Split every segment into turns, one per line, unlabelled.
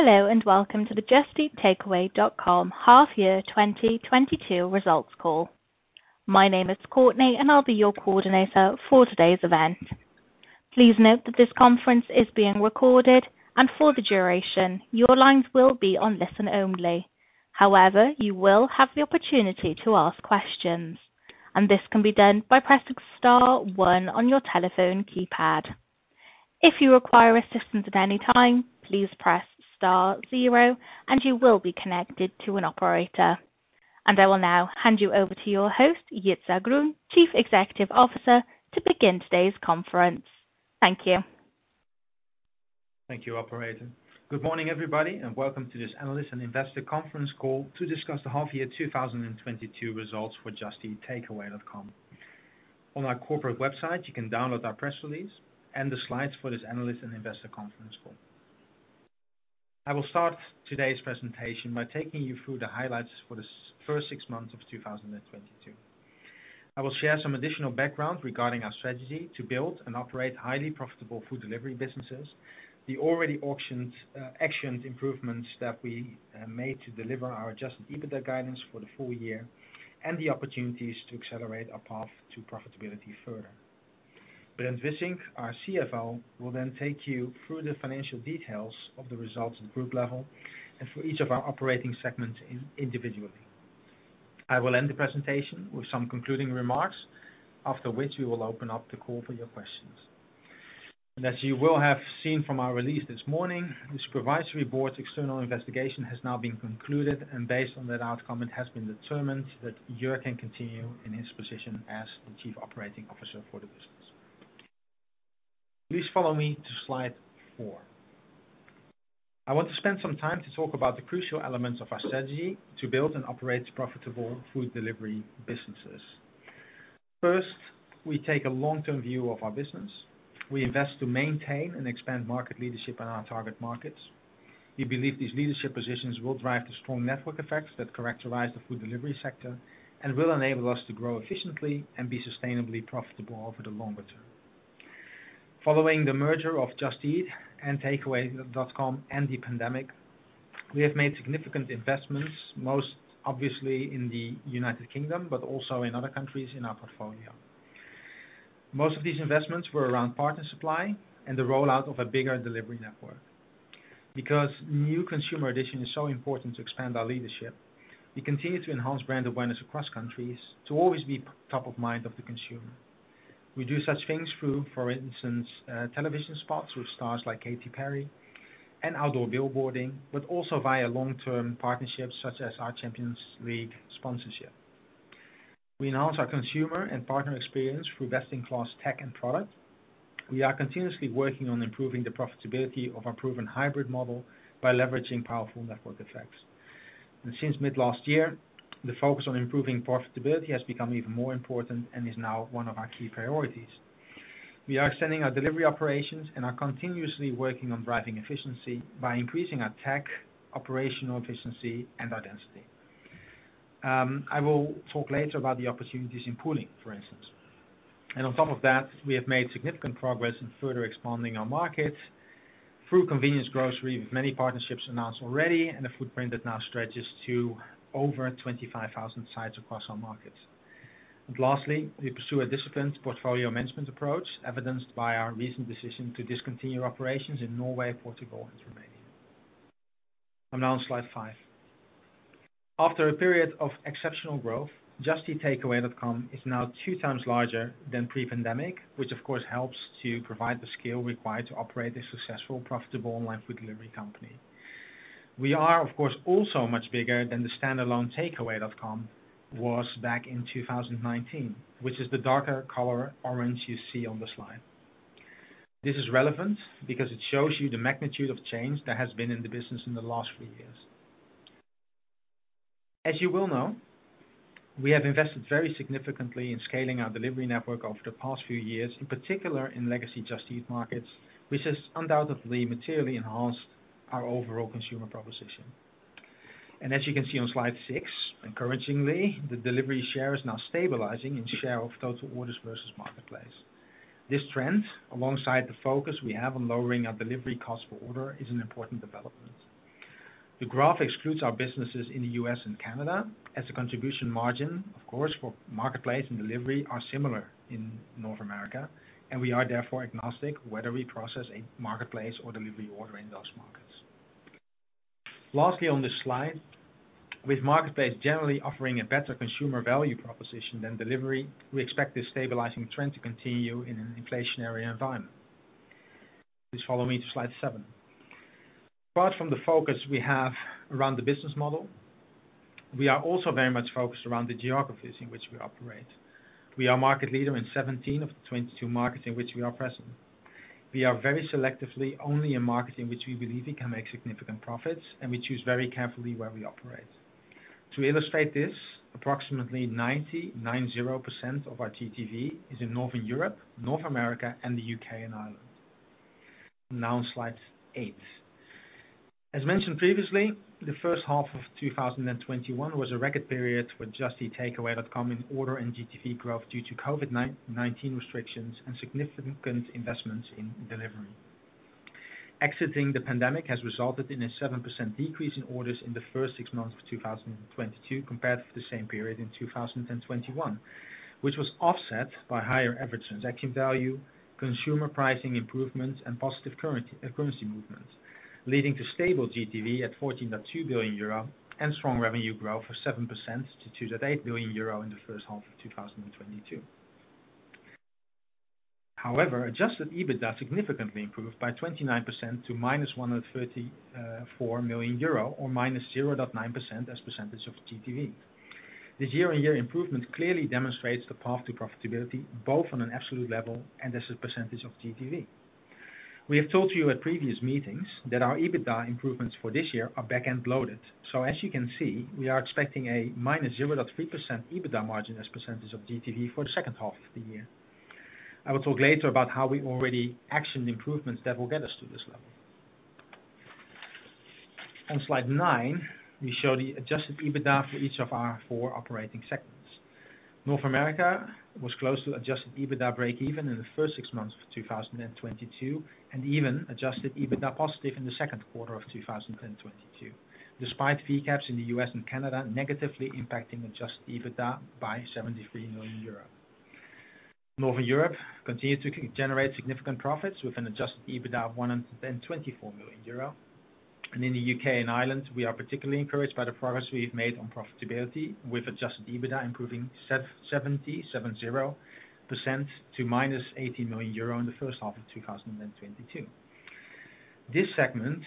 Hello, and welcome to the Just Eat Takeaway.com half year 2022 results call. My name is Courtney, and I'll be your coordinator for today's event. Please note that this conference is being recorded, and for the duration, your lines will be on listen-only. However, you will have the opportunity to ask questions, and this can be done by pressing star one on your telephone keypad. If you require assistance at any time, please press star zero and you will be connected to an operator. I will now hand you over to your host, Jitse Groen, Chief Executive Officer, to begin today's conference. Thank you.
Thank you, operator. Good morning, everybody, and welcome to this analyst and investor conference call to discuss the half year 2022 results for Just Eat Takeaway.com. On our corporate website, you can download our press release and the slides for this analyst and investor conference call. I will start today's presentation by taking you through the highlights for the first six months of 2022. I will share some additional background regarding our strategy to build and operate highly profitable food delivery businesses, the already actioned improvements that we made to deliver our adjusted EBITDA guidance for the full year, and the opportunities to accelerate our path to profitability further. Brent Wissink, our CFO, will then take you through the financial details of the results at group level and for each of our operating segments individually. I will end the presentation with some concluding remarks, after which we will open up the call for your questions. As you will have seen from our release this morning, the Supervisory Board's external investigation has now been concluded, and based on that outcome, it has been determined that Joerg can continue in his position as the Chief Operating Officer for the business. Please follow me to slide 4. I want to spend some time to talk about the crucial elements of our strategy to build and operate profitable food delivery businesses. First, we take a long-term view of our business. We invest to maintain and expand market leadership in our target markets. We believe these leadership positions will drive the strong network effects that characterize the food delivery sector, and will enable us to grow efficiently and be sustainably profitable over the longer term. Following the merger of Just Eat and Takeaway.com and the pandemic, we have made significant investments, most obviously in the United Kingdom, but also in other countries in our portfolio. Most of these investments were around partner supply and the rollout of a bigger delivery network. Because new consumer addition is so important to expand our leadership, we continue to enhance brand awareness across countries to always be top of mind of the consumer. We do such things through, for instance, television spots with stars like Katy Perry, and outdoor billboarding, but also via long-term partnerships such as our Champions League sponsorship. We enhance our consumer and partner experience through best-in-class tech and product. We are continuously working on improving the profitability of our proven hybrid model by leveraging powerful network effects. Since mid last year, the focus on improving profitability has become even more important and is now one of our key priorities. We are extending our delivery operations and are continuously working on driving efficiency by increasing our tech, operational efficiency, and our density. I will talk later about the opportunities in pooling, for instance. On top of that, we have made significant progress in further expanding our markets through convenience grocery, with many partnerships announced already and a footprint that now stretches to over 25,000 sites across our markets. Lastly, we pursue a disciplined portfolio management approach, evidenced by our recent decision to discontinue operations in Norway, Portugal, and Romania. I'm now on slide 5. After a period of exceptional growth, Just Eat Takeaway.com is now two times larger than pre-pandemic, which of course helps to provide the scale required to operate a successful, profitable online food delivery company. We are, of course, also much bigger than the standalone Takeaway.com was back in 2019, which is the darker color orange you see on the slide. This is relevant because it shows you the magnitude of change that has been in the business in the last few years. As you well know, we have invested very significantly in scaling our delivery network over the past few years, in particular in legacy Just Eat markets, which has undoubtedly materially enhanced our overall consumer proposition. As you can see on slide 6, encouragingly, the delivery share is now stabilizing in share of total orders versus marketplace. This trend, alongside the focus we have on lowering our delivery cost per order, is an important development. The graph excludes our businesses in the U.S. and Canada, as the contribution margin, of course, for marketplace and delivery are similar in North America, and we are therefore agnostic whether we process a marketplace or delivery order in those markets. Lastly, on this slide, with marketplace generally offering a better consumer value proposition than delivery, we expect this stabilizing trend to continue in an inflationary environment. Please follow me to slide 7. Apart from the focus we have around the business model, we are also very much focused around the geographies in which we operate. We are market leader in 17 of the 22 markets in which we are present. We are very selectively only in markets in which we believe we can make significant profits, and we choose very carefully where we operate. To illustrate this, approximately 99% of our GTV is in Northern Europe, North America, and the U.K. and Ireland. Now, on slide 8. As mentioned previously, the first half of 2021 was a record period for Just Eat Takeaway.com in order and GTV growth due to COVID-19 restrictions and significant investments in delivery. Exiting the pandemic has resulted in a 7% decrease in orders in the first six months of 2022 compared to the same period in 2021, which was offset by higher average transaction value, consumer pricing improvements, and positive currency movements, leading to stable GTV at 14.2 billion euro and strong revenue growth of 7% to 2.8 billion euro in the first half of 2022. However, adjusted EBITDA significantly improved by 29% to -134 million euro or -0.9% as percentage of GTV. This year-on-year improvement clearly demonstrates the path to profitability, both on an absolute level and as a percentage of GTV. We have told you at previous meetings that our EBITDA improvements for this year are back-end loaded. As you can see, we are expecting a -0.3% EBITDA margin as a percentage of GTV for the second half of the year. I will talk later about how we already actioned improvements that will get us to this level. On slide 9, we show the adjusted EBITDA for each of our four operating segments. North America was close to adjusted EBITDA breakeven in the first six months of 2022, and even adjusted EBITDA positive in the second quarter of 2022, despite fee caps in the U.S. and Canada negatively impacting adjusted EBITDA by 73 million euros. Northern Europe continued to generate significant profits with an adjusted EBITDA of 124 million euro. In the U.K. and Ireland, we are particularly encouraged by the progress we've made on profitability, with adjusted EBITDA improving 70% to -80 million euro in the first half of 2022. This segment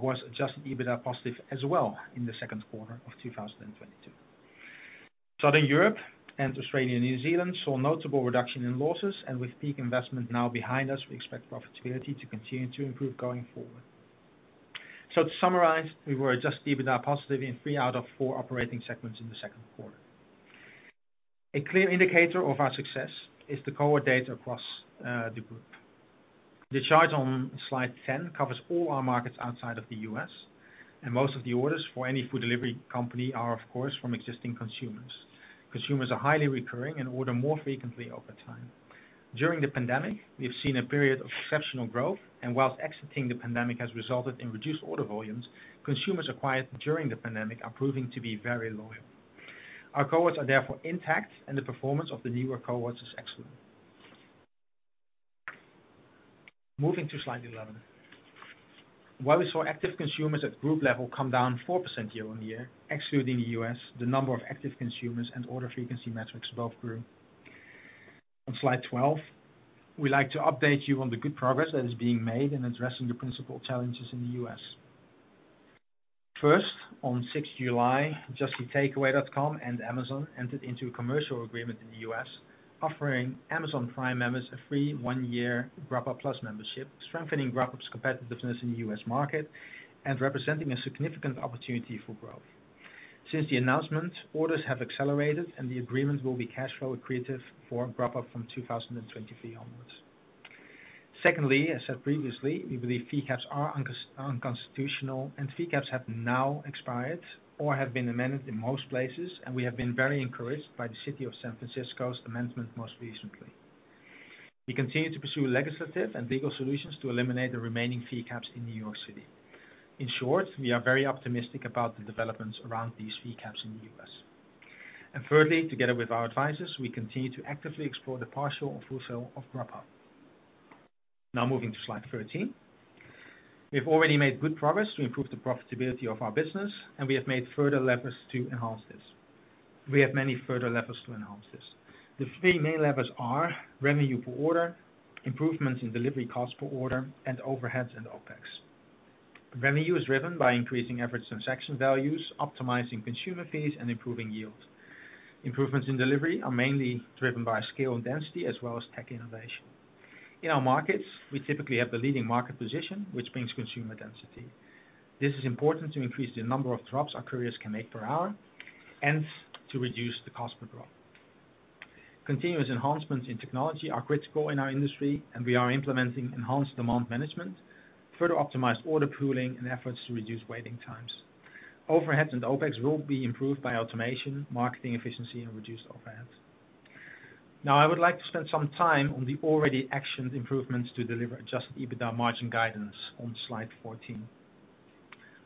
was adjusted EBITDA positive as well in the second quarter of 2022. Southern Europe, and Australia and New Zealand saw notable reduction in losses, and with peak investment now behind us, we expect profitability to continue to improve going forward. To summarize, we were adjusted EBITDA positive in three out of four operating segments in the second quarter. A clear indicator of our success is the cohort data across the group. The chart on slide 10 covers all our markets outside of the U.S., and most of the orders for any food delivery company are, of course, from existing consumers. Consumers are highly recurring, and order more frequently over time. During the pandemic, we've seen a period of exceptional growth, and while exiting the pandemic has resulted in reduced order volumes, consumers acquired during the pandemic are proving to be very loyal. Our cohorts are therefore intact, and the performance of the newer cohorts is excellent. Moving to slide 11. While we saw active consumers at group level come down 4% year-on-year, excluding the U.S., the number of active consumers and order frequency metrics both grew. On slide 12, we like to update you on the good progress that is being made in addressing the principal challenges in the U.S. First, on 6th July, Just Eat Takeaway.com and Amazon entered into a commercial agreement in the U.S., offering Amazon Prime members a free one-year Grubhub+ membership, strengthening Grubhub's competitiveness in the U.S. market, and representing a significant opportunity for growth. Since the announcement, orders have accelerated, and the agreement will be cash flow accretive for Grubhub from 2023 onwards. Secondly, as said previously, we believe fee caps are unconstitutional, and fee caps have now expired or have been amended in most places, and we have been very encouraged by the city of San Francisco's amendment, most recently. We continue to pursue legislative and legal solutions to eliminate the remaining fee caps in New York City. In short, we are very optimistic about the developments around these fee caps in the U.S. Thirdly, together with our advisors, we continue to actively explore the partial or full sale of Grubhub. Now, moving to slide 13. We have already made good progress to improve the profitability of our business, and we have made further levers to enhance this. We have many further levers to enhance this. The three main levers are revenue per order, improvements in delivery cost per order, and overheads and OpEx. Revenue is driven by increasing average transaction values, optimizing consumer fees, and improving yield. Improvements in delivery are mainly driven by scale and density, as well as tech innovation. In our markets, we typically have the leading market position, which brings consumer density. This is important to increase the number of drops our couriers can make per hour and to reduce the cost per drop. Continuous enhancements in technology are critical in our industry, and we are implementing enhanced demand management, further optimized order pooling and efforts to reduce waiting times. Overheads and OpEx will be improved by automation, marketing efficiency, and reduced overheads. Now, I would like to spend some time on the already actioned improvements to deliver adjusted EBITDA margin guidance on slide 14.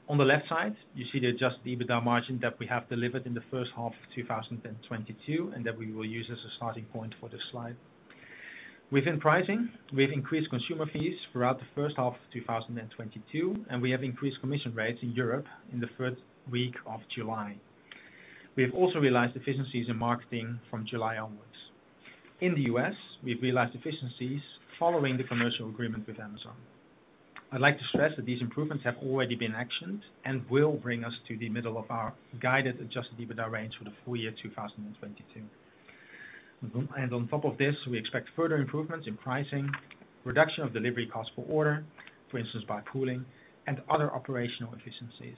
On the left side, you see the adjusted EBITDA margin that we have delivered in the first half of 2022, and that we will use as a starting point for this slide. Within pricing, we have increased consumer fees throughout the first half of 2022, and we have increased commission rates in Europe in the first week of July. We have also realized efficiencies in marketing from July onwards. In the U.S., we've realized efficiencies following the commercial agreement with Amazon. I'd like to stress that these improvements have already been actioned and will bring us to the middle of our guided adjusted EBITDA range for the full year 2022. On top of this, we expect further improvements in pricing, reduction of delivery cost per order, for instance, by pooling and other operational efficiencies.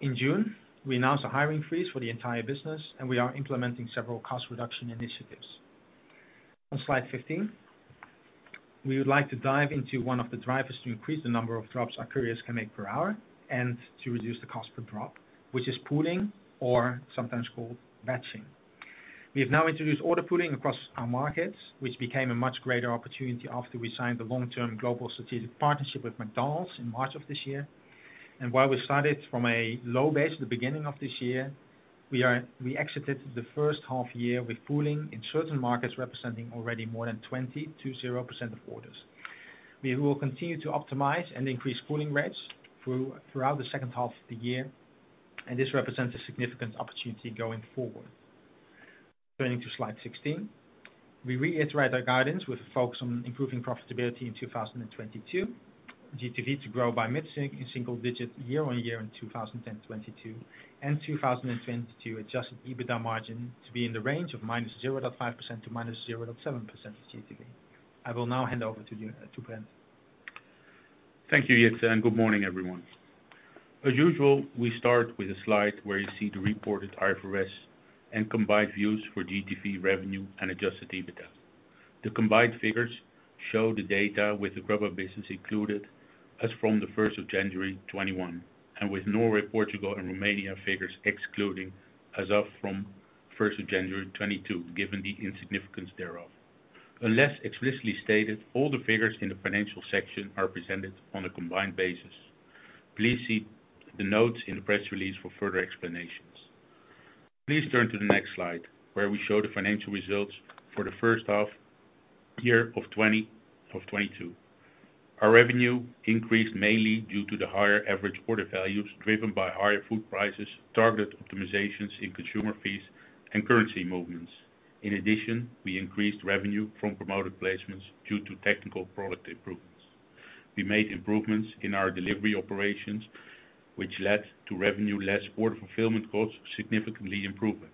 In June, we announced a hiring freeze for the entire business, and we are implementing several cost reduction initiatives. On slide 15, we would like to dive into one of the drivers to increase the number of drops our couriers can make per hour and to reduce the cost per drop, which is pooling or sometimes called batching. We have now introduced order pooling across our markets, which became a much greater opportunity after we signed the long-term global strategic partnership with McDonald's in March of this year. While we started from a low base at the beginning of this year, we exited the first half year with pooling in certain markets representing already more than 22.0% of orders. We will continue to optimize and increase pooling rates throughout the second half of the year, and this represents a significant opportunity going forward. Turning to slide 16. We reiterate our guidance with a focus on improving profitability in 2022. GTV to grow by mid-single-digit year-on-year in 2022. 2022 adjusted EBITDA margin to be in the range of -0.5% to -0.7% of GTV. I will now hand over to you, to Brent.
Thank you, Jitse, and good morning, everyone. As usual, we start with a slide where you see the reported IFRS and combined views for GTV revenue and adjusted EBITDA. The combined figures show the data with the Grubhub business included as from the 1st of January 2021, and with Norway, Portugal, and Romania figures excluding as of from 1st of January 2022, given the insignificance thereof. Unless explicitly stated, all the figures in the financial section are presented on a combined basis. Please see the notes in the press release for further explanations. Please turn to the next slide where we show the financial results for the first half year of 2022. Our revenue increased mainly due to the higher average order values, driven by higher food prices, target optimizations in consumer fees, and currency movements. In addition, we increased revenue from promoted placements due to technical product improvements. We made improvements in our delivery operations, which led to revenue less order fulfillment costs significantly improving.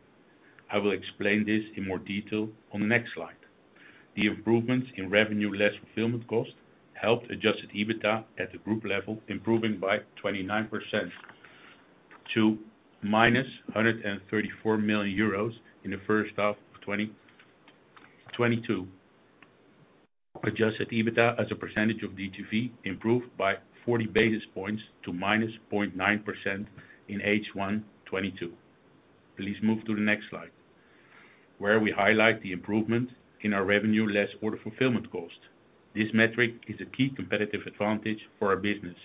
I will explain this in more detail on the next slide. The improvements in revenue less fulfillment cost helped adjusted EBITDA at the group level, improving by 29% to -134 million euros in the first half of 2022. Adjusted EBITDA as a percentage of GTV improved by 40 basis points to -0.9% in H1 2022. Please move to the next slide, where we highlight the improvement in our revenue less order fulfillment cost. This metric is a key competitive advantage for our business.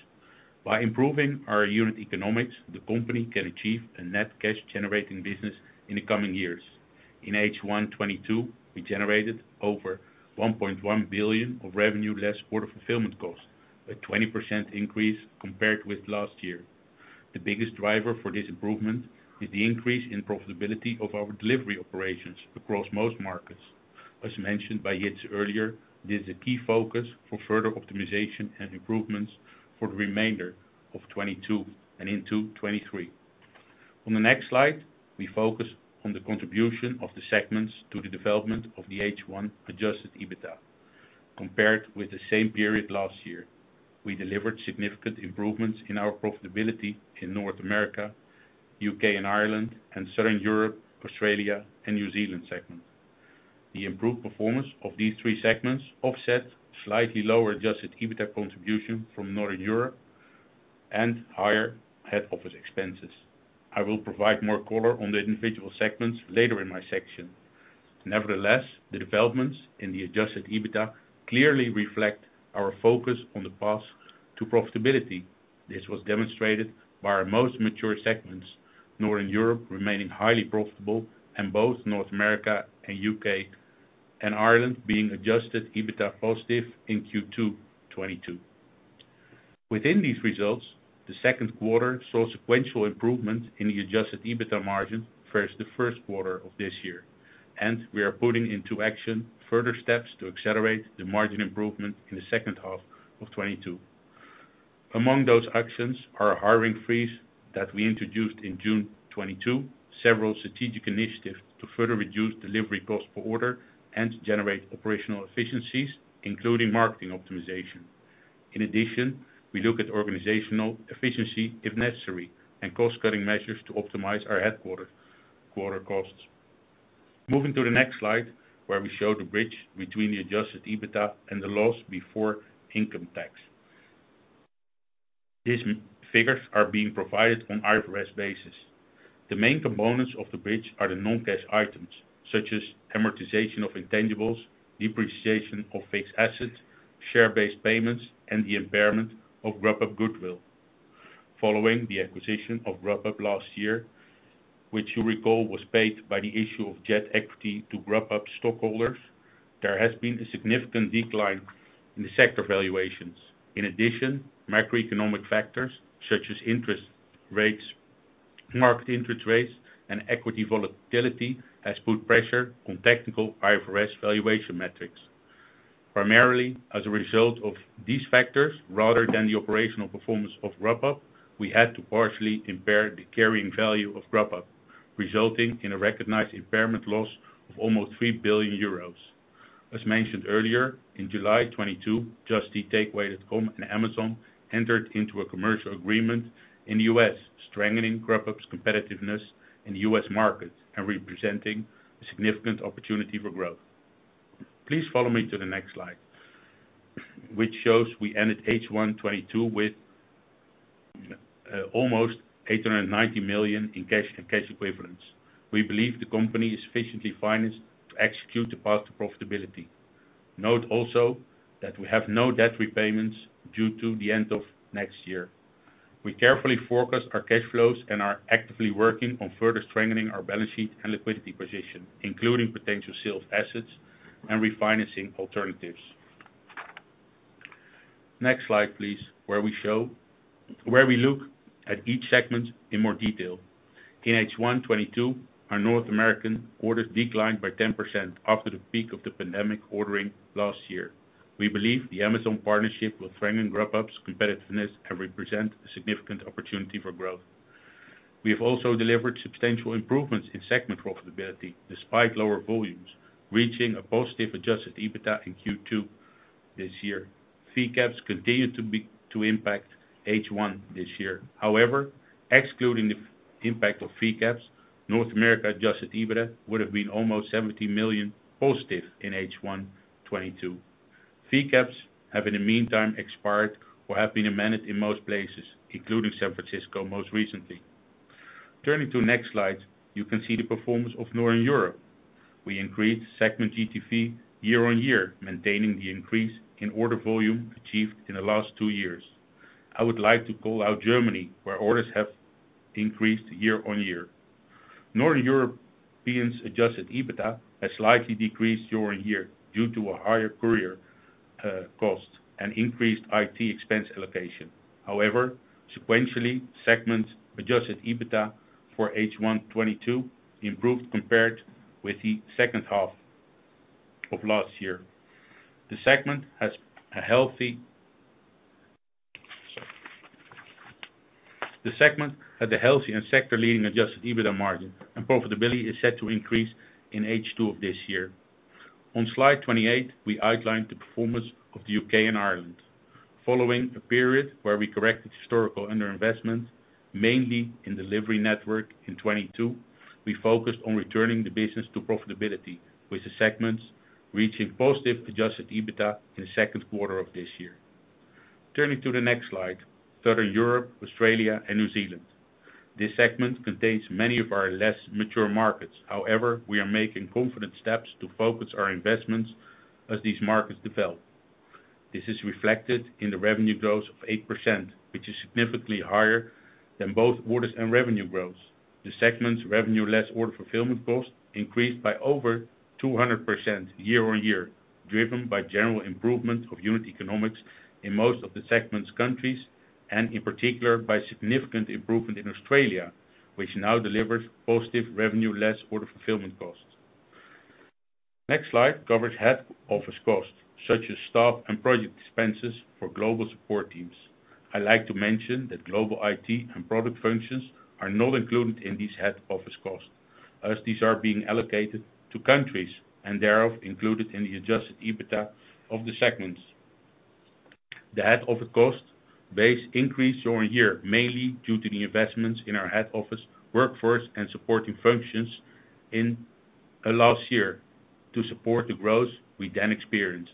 By improving our unit economics, the company can achieve a net cash generating business in the coming years. In H1 2022, we generated over 1.1 billion of revenue less order fulfillment cost, a 20% increase compared with last year. The biggest driver for this improvement is the increase in profitability of our delivery operations across most markets. As mentioned by Jitse earlier, this is a key focus for further optimization and improvements for the remainder of 2022 and into 2023. On the next slide, we focus on the contribution of the segments to the development of the H1 adjusted EBITDA. Compared with the same period last year, we delivered significant improvements in our profitability in North America, U.K. and Ireland, and Southern Europe, Australia, and New Zealand segments. The improved performance of these three segments offset slightly lower adjusted EBITDA contribution from Northern Europe and higher head office expenses. I will provide more color on the individual segments later in my section. Nevertheless, the developments in the adjusted EBITDA clearly reflect our focus on the path to profitability. This was demonstrated by our most mature segments, Northern Europe remaining highly profitable and both North America and U.K. and Ireland being adjusted EBITDA positive in Q2 2022. Within these results, the second quarter saw sequential improvement in the adjusted EBITDA margin versus the first quarter of this year. We are putting into action further steps to accelerate the margin improvement in the second half of 2022. Among those actions are a hiring freeze that we introduced in June 2022, several strategic initiatives to further reduce delivery cost per order and to generate operational efficiencies, including marketing optimization. In addition, we look at organizational efficiency, if necessary, and cost-cutting measures to optimize our headquarter costs. Moving to the next slide where we show the bridge between the adjusted EBITDA and the loss before income tax. These figures are being provided on IFRS basis. The main components of the bridge are the non-cash items such as amortization of intangibles, depreciation of fixed assets, share-based payments, and the impairment of Grubhub goodwill. Following the acquisition of Grubhub last year, which you recall was paid by the issue of Just Eat equity to Grubhub stockholders, there has been a significant decline in the sector valuations. In addition, macroeconomic factors such as interest rates, market interest rates, and equity volatility has put pressure on technical IFRS valuation metrics. Primarily as a result of these factors rather than the operational performance of Grubhub, we had to partially impair the carrying value of Grubhub, resulting in a recognized impairment loss of almost 3 billion euros. As mentioned earlier, in July 2022, Just Eat Takeaway.com and Amazon entered into a commercial agreement in the U.S., strengthening Grubhub's competitiveness in the U.S. market, and representing a significant opportunity for growth. Please follow me to the next slide which shows we ended H1 2022 with almost 890 million in cash and cash equivalents. We believe the company is efficiently financed to execute the path to profitability. Note also that we have no debt repayments due to the end of next year. We carefully forecast our cash flows and are actively working on further strengthening our balance sheet and liquidity position, including potential sale of assets and refinancing alternatives. Next slide, please, where we look at each segment in more detail. In H1 2022, our North American orders declined by 10% after the peak of the pandemic ordering last year. We believe the Amazon partnership will strengthen Grubhub's competitiveness and represent a significant opportunity for growth. We have also delivered substantial improvements in segment profitability despite lower volumes, reaching a positive adjusted EBITDA in Q2 this year. Fee caps continued to impact H1 this year. However, excluding the impact of fee caps, North America adjusted EBITDA would have been almost 70 million positive in H1 2022. Fee caps have in the meantime expired or have been amended in most places, including San Francisco most recently. Turning to next slide, you can see the performance of Northern Europe. We increased segment GTV year-on-year, maintaining the increase in order volume achieved in the last two years. I would like to call out Germany, where orders have increased year-on-year. Northern Europe’s adjusted EBITDA has slightly decreased year-on-year due to a higher courier cost and increased IT expense allocation. However, sequentially, the segment’s adjusted EBITDA for H1 2022 improved compared with the second half of last year. The segment had a healthy and sector-leading adjusted EBITDA margin, and profitability is set to increase in H2 of this year. On slide 28, we outlined the performance of the U.K. and Ireland. Following a period where we corrected historical underinvestments, mainly in delivery network in 2022, we focused on returning the business to profitability, with the segment reaching positive adjusted EBITDA in the second quarter of this year. Turning to the next slide, Southern Europe, Australia, and New Zealand. This segment contains many of our less mature markets. However, we are making confident steps to focus our investments as these markets develop. This is reflected in the revenue growth of 8%, which is significantly higher than both orders and revenue growth. The segment's revenue, less order fulfillment cost, increased by over 200% year-on-year, driven by general improvement of unit economics in most of the segment's countries, and in particular by significant improvement in Australia, which now delivers positive revenue less order fulfillment costs. Next slide covers head office costs such as staff and project expenses for global support teams. I like to mention that global IT and product functions are not included in these head office costs, as these are being allocated to countries and thereof included in the adjusted EBITDA of the segments. The head office cost base increased year on year, mainly due to the investments in our head office workforce and supporting functions in the last year to support the growth we then experienced.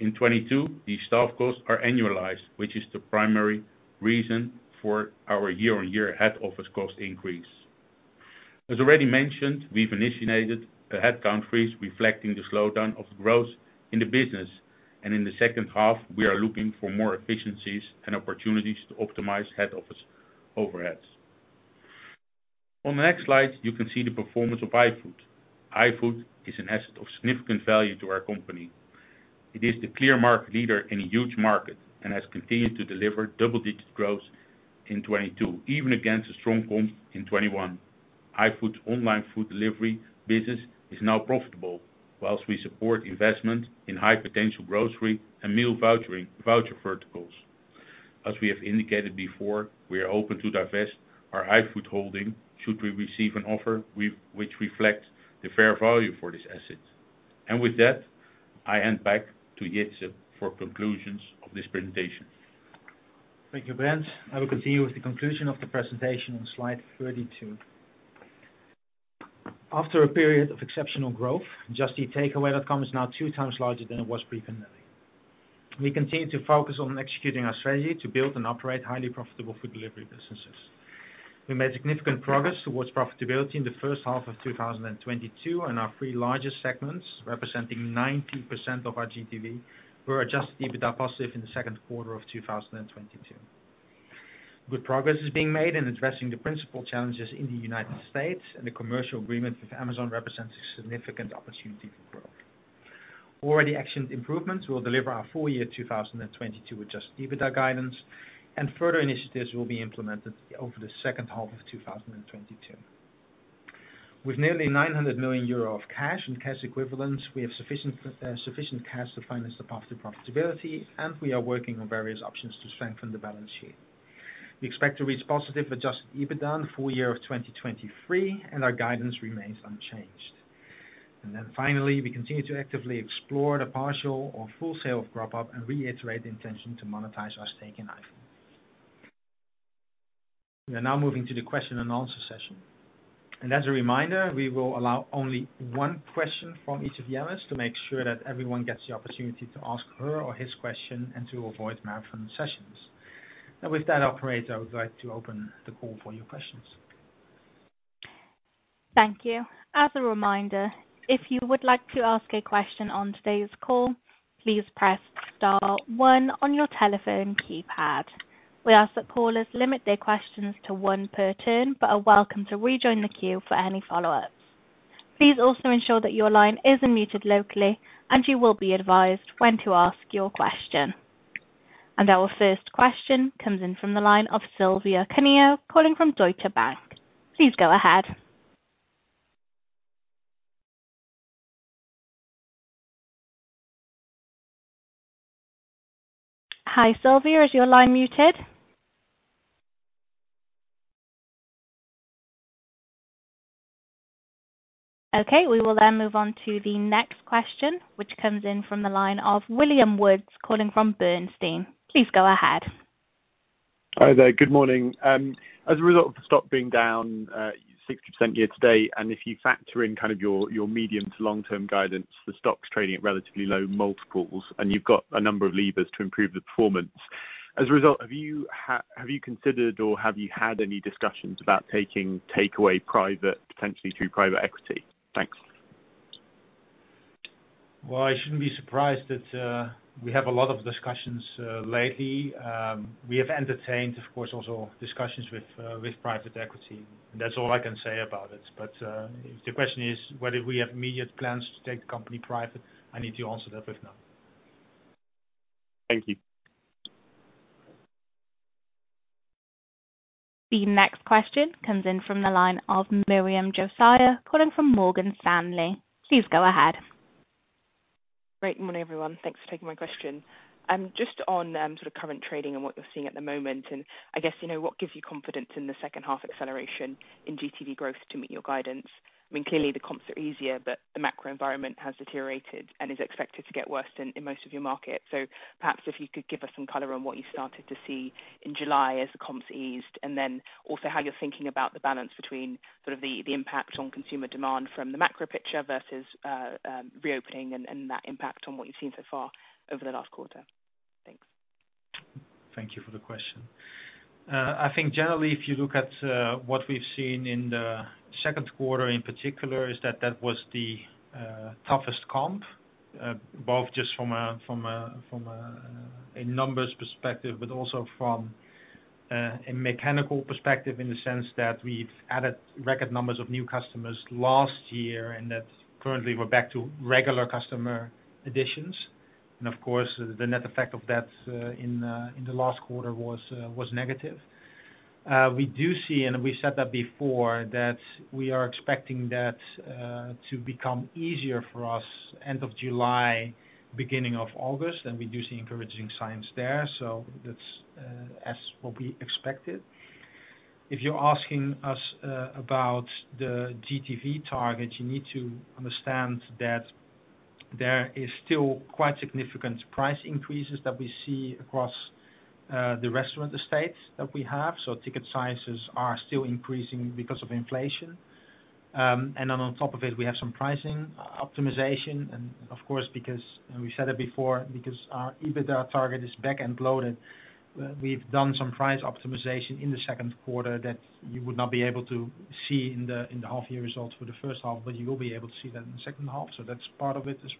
In 2022, these staff costs are annualized, which is the primary reason for our year on year head office cost increase. As already mentioned, we've initiated the head count freeze reflecting the slowdown of growth in the business. In the second half we are looking for more efficiencies and opportunities to optimize head office overheads. On the next slide, you can see the performance of iFood. iFood is an asset of significant value to our company. It is the clear market leader in a huge market and has continued to deliver double-digit growth in 2022, even against a strong comp in 2021. IFood's online food delivery business is now profitable, while we support investment in high potential grocery and meal voucher verticals. As we have indicated before, we are open to divest our iFood holding should we receive an offer which reflects the fair value for this asset. With that, I hand back to Jitse for conclusions of this presentation.
Thank you, Brent. I will continue with the conclusion of the presentation on slide 32. After a period of exceptional growth, Just Eat Takeaway.com is now two times larger than it was pre-pandemic. We continue to focus on executing our strategy to build and operate highly profitable food delivery businesses. We made significant progress towards profitability in the first half of 2022, and our three largest segments, representing 90% of our GTV, were adjusted EBITDA positive in the second quarter of 2022. Good progress is being made in addressing the principal challenges in the United States, and the commercial agreement with Amazon represents a significant opportunity for growth. Already actioned improvements will deliver our full year 2022 adjusted EBITDA guidance, and further initiatives will be implemented over the second half of 2022. With nearly 900 million euro of cash and cash equivalents, we have sufficient cash to finance the path to profitability, and we are working on various options to strengthen the balance sheet. We expect to reach positive adjusted EBITDA in the full year of 2023, and our guidance remains unchanged. We continue to actively explore the partial or full sale of Grubhub, and reiterate the intention to monetize our stake in iFood. We are now moving to the question-and-answer session. As a reminder, we will allow only one question from each of the analysts to make sure that everyone gets the opportunity to ask her or his question and to avoid marathon sessions. Now, with that operator, I would like to open the call for your questions.
Thank you. As a reminder, if you would like to ask a question on today's call, please press star one on your telephone keypad. We ask that callers limit their questions to one per turn, but are welcome to rejoin the queue for any follow-ups. Please also ensure that your line is unmuted locally, and you will be advised when to ask your question. Our first question comes in from the line of Silvia Cuneo, calling from Deutsche Bank. Please go ahead. Hi, Silvia, is your line muted? Okay, we will then move on to the next question, which comes in from the line of William Woods, calling from Bernstein. Please go ahead.
Hi there. Good morning. As a result of the stock being down 60% year to date, and if you factor in kind of your medium to long-term guidance, the stock's trading at relatively low multiples, and you've got a number of levers to improve the performance. As a result, have you considered or have you had any discussions about taking Takeaway private, potentially through private equity? Thanks.
Well, I shouldn't be surprised that we have a lot of discussions lately. We have entertained, of course, also discussions with private equity. That's all I can say about it. If the question is whether we have immediate plans to take the company private, I need to answer that with no.
Thank you.
The next question comes in from the line of Miriam Josiah, calling from Morgan Stanley. Please go ahead.
Good morning, everyone. Thanks for taking my question. Just, on sort of current trading and what you're seeing at the moment, and I guess, you know, what gives you confidence in the second half acceleration in GTV growth to meet your guidance? I mean, clearly the comps are easier, but the macro environment has deteriorated and is expected to get worse in most of your markets. Perhaps if you could give us some color on what you started to see in July as the comps eased, and then also how you're thinking about the balance between sort of the impact on consumer demand from the macro picture versus reopening and that impact on what you've seen so far over the last quarter. Thanks.
Thank you for the question. I think, generally ,if you look at what we've seen in the second quarter, in particular, is that was the toughest comp both just from a numbers perspective, but also from a mechanical perspective in the sense that we've added record numbers of new customers last year, and that currently we're back to regular customer additions. Of course, the net effect of that in the last quarter was negative. We do see, and we said that before, that we are expecting that to become easier for us end of July, beginning of August, and we do see encouraging signs there. That's what we expected. If you're asking us about the GTV target, you need to understand that there is still quite significant price increases that we see across the restaurant estates that we have. Ticket sizes are still increasing because of inflation. On top of it, we have some pricing optimization and of course because, and we said it before, because our EBITDA target is back and loaded, we've done some price optimization in the second quarter that you would not be able to see in the half year results for the first half, but you will be able to see that in the second half. That's part of it as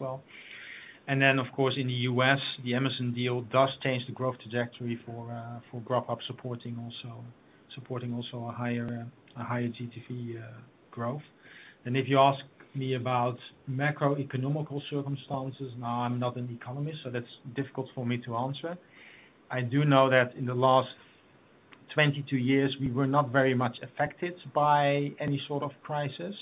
well. Of course, in the U.S., the Amazon deal does change the growth trajectory for Grubhub supporting also a higher GTV growth. If you ask me about macroeconomic circumstances, now I'm not an economist, so that's difficult for me to answer. I do know that in the last 22 years we were not very much affected by any sort of crisis.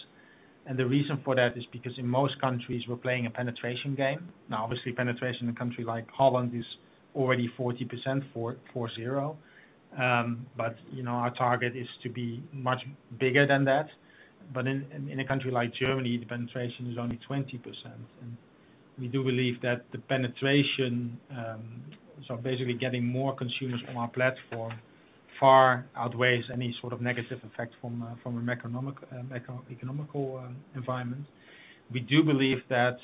The reason for that is because in most countries we're playing a penetration game. Now, obviously penetration in a country like Holland is already 40%. But, you know, our target is to be much bigger than that. In a country like Germany, the penetration is only 20%. We do believe that the penetration, so basically getting more consumers on our platform far outweighs any sort of negative effect from a macroeconomic environment. We do believe that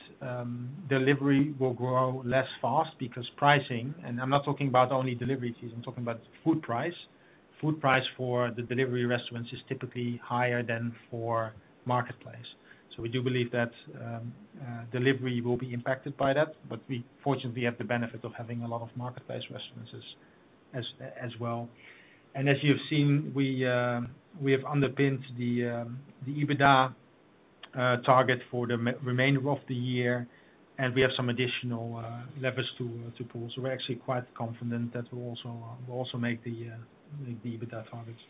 delivery will grow less fast because pricing, and I'm not talking about only delivery fees, I'm talking about food price. Food price for the delivery restaurants is typically higher than for marketplace. We do believe that delivery will be impacted by that, but we fortunately have the benefit of having a lot of marketplace restaurants as well. As you've seen, we have underpinned the EBITDA target for the remainder of the year and we have some additional levers to pull. We're actually quite confident that we'll also make the EBITDA targets.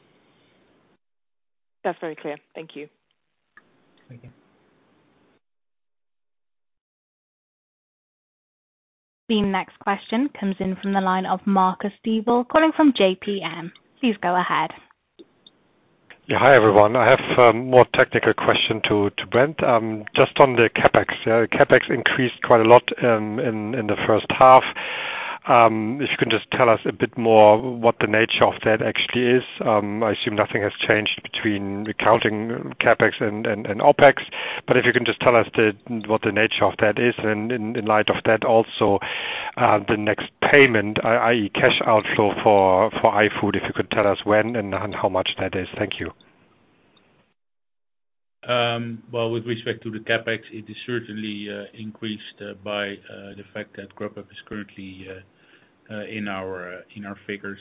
That's very clear. Thank you.
Thank you.
The next question comes in from the line of Marcus Diebel, calling from JPM. Please go ahead.
Yeah. Hi everyone. I have more technical question to Brent. Just on the CapEx. CapEx increased quite a lot in the first half. If you can just tell us a bit more what the nature of that actually is. I assume nothing has changed between accounting CapEx and OpEx, but if you can just tell us what the nature of that is and in light of that. Also the next payment, i.e. cash outflow for iFood, if you could tell us when and how much that is. Thank you.
Well, with respect to the CapEx, it is certainly increased by the fact that Grubhub is currently in our figures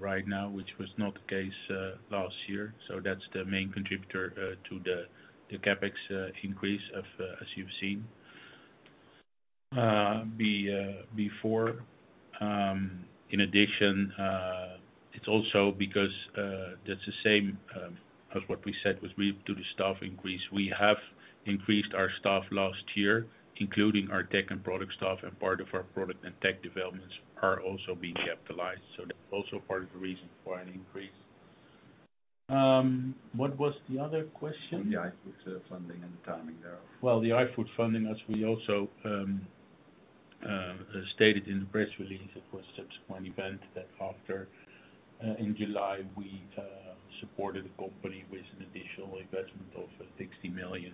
right now, which was not the case last year. That's the main contributor to the CapEx increase, as you've seen. Before, in addition, it's also because that's the same as what we said with regard to the staff increase. We have increased our staff last year, including our tech and product staff, and part of our product and tech developments are also being capitalized. That's also part of the reason for an increase. What was the other question?
The iFood funding and the timing there.
Well, the iFood funding, as we also stated in the press release, of course, subsequent event that after in July, we supported the company with an additional investment of 60 million.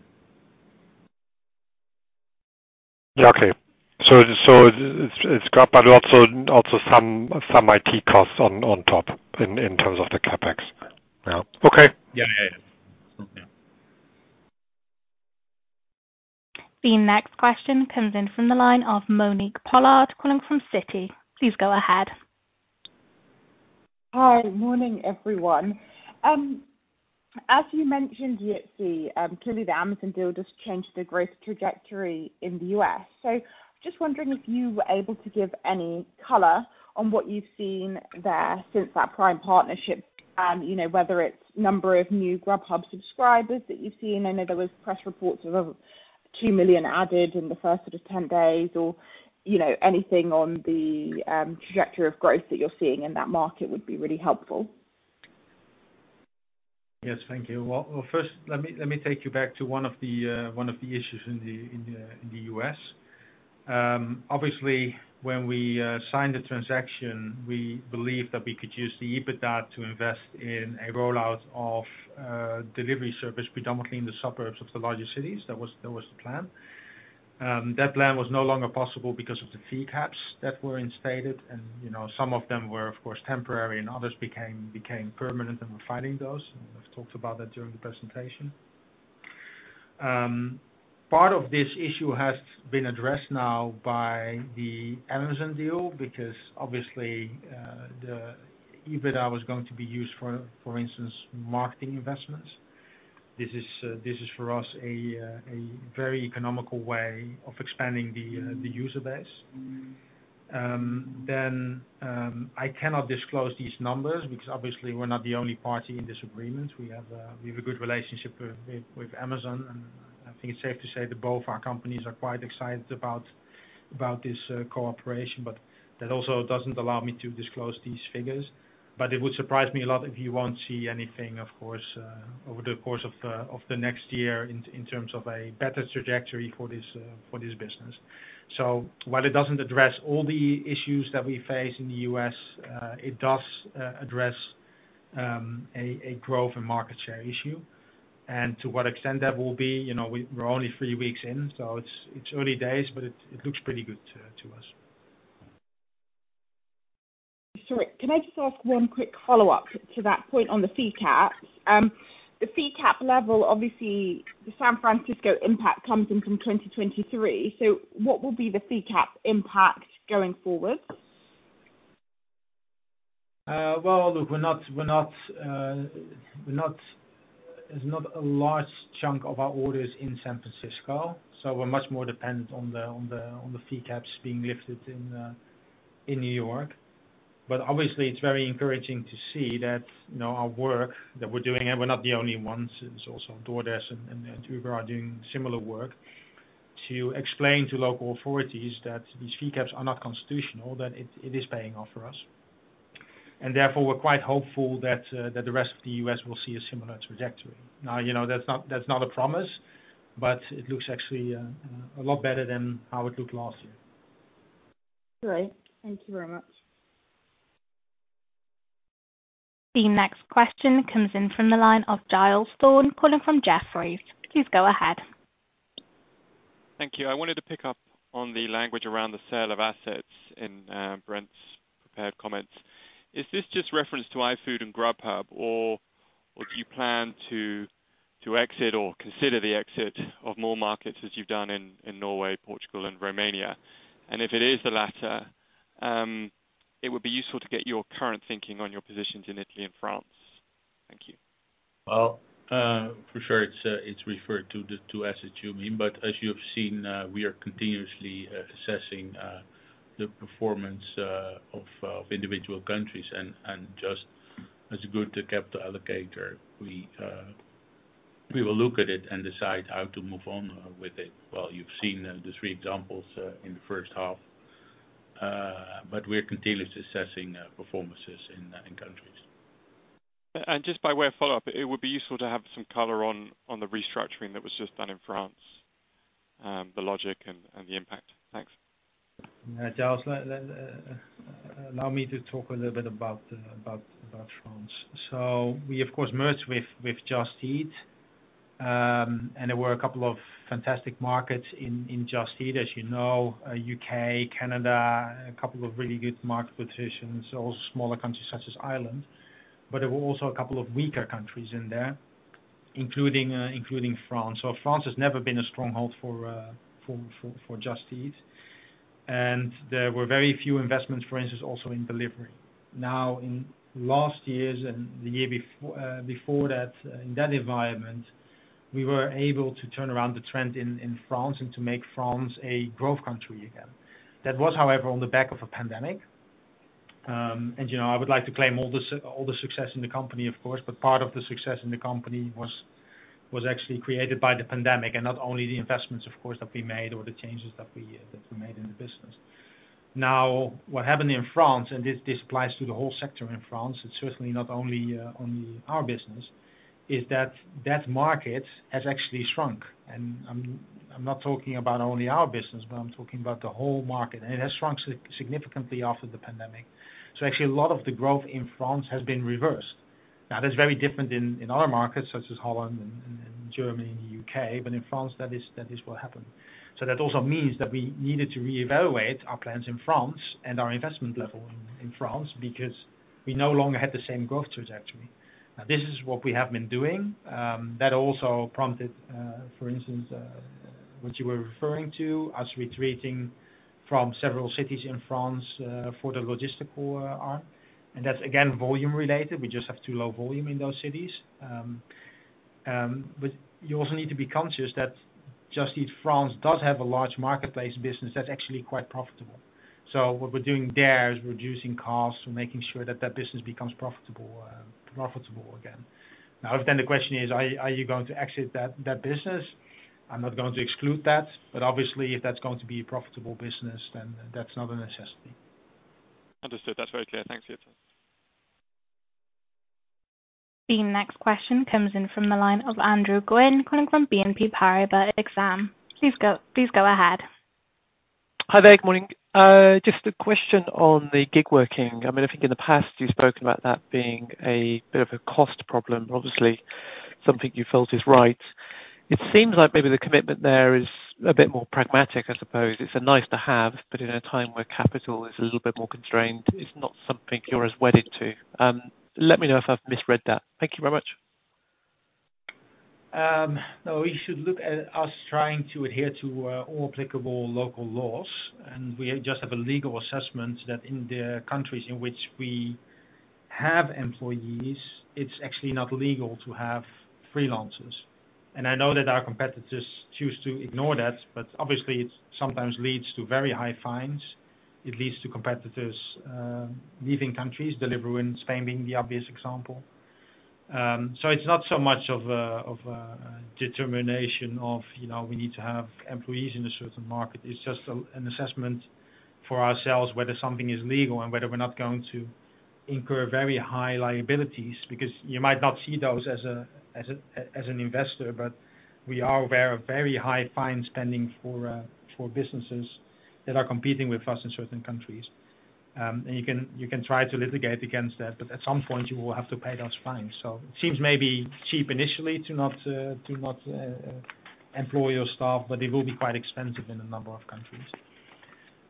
Yeah. Okay. It's got--But also some IT costs on top in terms of the CapEx. Yeah. Okay.
Yeah. Yeah. Yeah.
The next question comes in from the line of Monique Pollard calling from Citi. Please go ahead.
Hi. Morning, everyone. As you mentioned, you see, clearly, the Amazon deal just changed the growth trajectory in the U.S. Just wondering if you were able to give any color on what you've seen there since that Prime partnership. You know, whether it's number of new Grubhub subscribers that you've seen. I know there was press reports of 2 million added in the first sort of 10 days or, you know, anything on the trajectory of growth that you're seeing in that market would be really helpful.
Yes. Thank you. Well, first, let me take you back to one of the issues in the U.S. Obviously when we signed the transaction, we believed that we could use the EBITDA to invest in a rollout of delivery service, predominantly in the suburbs of the larger cities. That was the plan. That plan was no longer possible because of the fee caps that were instated. You know, some of them were of course temporary, and others became permanent, and we're fighting those. We've talked about that during the presentation. Part of this issue has been addressed now by the Amazon deal because obviously the EBITDA was going to be used for instance, marketing investments. This is for us a very economical way of expanding the user base. I cannot disclose these numbers because obviously we're not the only party in this agreement. We have a good relationship with Amazon, and I think it's safe to say that both our companies are quite excited about this cooperation. That also doesn't allow me to disclose these figures. It would surprise me a lot if you won't see anything, of course, over the course of the next year in terms of a better trajectory for this business. While it doesn't address all the issues that we face in the U.S., it does address a growth and market share issue. To what extent that will be, you know, we're only three weeks in, so it's early days, but it looks pretty good to us.
Sorry, can I just ask one quick follow-up to that point on the fee cap? The fee cap level, obviously the San Francisco impact comes in from 2023. What will be the fee cap impact going forward?
Well, look, we're not--There's not a large chunk of our orders in San Francisco, so we're much more dependent on the fee caps being lifted in New York. Obviously, it's very encouraging to see that, you know, our work that we're doing, and we're not the only ones. It's also DoorDash and Uber are doing similar work to explain to local authorities that these fee caps are not constitutional, that it is paying off for us. Therefore, we're quite hopeful that the rest of the U.S. will see a similar trajectory. Now, you know, that's not a promise, but it looks actually a lot better than how it looked last year.
Great. Thank you very much.
The next question comes in from the line of Giles Thorne, calling from Jefferies. Please go ahead.
Thank you. I wanted to pick up on the language around the sale of assets in Brent's prepared comments. Is this just reference to iFood and Grubhub or do you plan to exit or consider the exit of more markets as you've done in Norway, Portugal and Romania? If it is the latter, it would be useful to get your current thinking on your positions in Italy and France. Thank you.
Well, for sure it's referred to the two assets you mean, but as you have seen, we are continuously assessing the performance of individual countries. Just as a good capital allocator, we will look at it and decide how to move on with it. Well, you've seen the three examples in the first half. We're continuously assessing performances in countries.
Just by way of follow-up, it would be useful to have some color on the restructuring that was just done in France, the logic and the impact. Thanks.
Giles, allow me to talk a little bit about France. We of course merged with Just Eat. There were a couple of fantastic markets in Just Eat, as you know, U.K., Canada, a couple of really good market positions, also smaller countries such as Ireland. There were also a couple of weaker countries in there, including France. France has never been a stronghold for Just Eat. There were very few investments, for instance, also in delivery. Now in last years and the year before that, in that environment, we were able to turn around the trend in France and to make France a growth country again. That was, however, on the back of a pandemic. I would like to claim all the success in the company, of course, but part of the success in the company was actually created by the pandemic and not only the investments, of course, that we made or the changes that we made in the business. What happened in France, and this applies to the whole sector in France, it's certainly not only our business, is that that market has actually shrunk. I'm not talking about only our business, but I'm talking about the whole market. It has shrunk significantly after the pandemic. Actually a lot of the growth in France has been reversed. That's very different in other markets such as Holland and Germany and U.K. In France, that is what happened. That also means that we needed to reevaluate our plans in France and our investment level in France, because we no longer had the same growth trajectory. This is what we have been doing. That also prompted, for instance, what you were referring to as retreating from several cities in France, for the logistical arm. That's again, volume related. We just have too low volume in those cities. You also need to be conscious that Just Eat France does have a large marketplace business that's actually quite profitable. What we're doing there is reducing costs. We're making sure that that business becomes profitable again. The question is, are you going to exit that business? I'm not going to exclude that, but obviously, if that's going to be a profitable business, then that's not a necessity.
Understood. That's very clear. Thanks, Jitse.
The next question comes in from the line of Andrew Gwynn, calling from BNP Paribas Exane. Please go ahead.
Hi there. Good morning. Just a question on the gig working. I mean, I think in the past you've spoken about that being a bit of a cost problem, obviously, something you felt is right. It seems like maybe the commitment there is a bit more pragmatic, I suppose. It's a nice to have, but in a time where capital is a little bit more constrained, it's not something you're as wedded to. Let me know if I've misread that. Thank you very much.
No, you should look at us trying to adhere to all applicable local laws, and we just have a legal assessment that in the countries in which we have employees, it's actually not legal to have freelancers. I know that our competitors choose to ignore that, but obviously it sometimes leads to very high fines. It leads to competitors leaving countries, Deliveroo in Spain being the obvious example. It's not so much of a determination of, you know, we need to have employees in a certain market. It's just an assessment for ourselves, whether something is legal and whether we're not going to incur very high liabilities, because you might not see those as an investor, but we are aware of very high fines pending for businesses that are competing with us in certain countries. You can try to litigate against that, but at some point you will have to pay those fines. It seems maybe cheap initially to not employ your staff, but it will be quite expensive in a number of countries.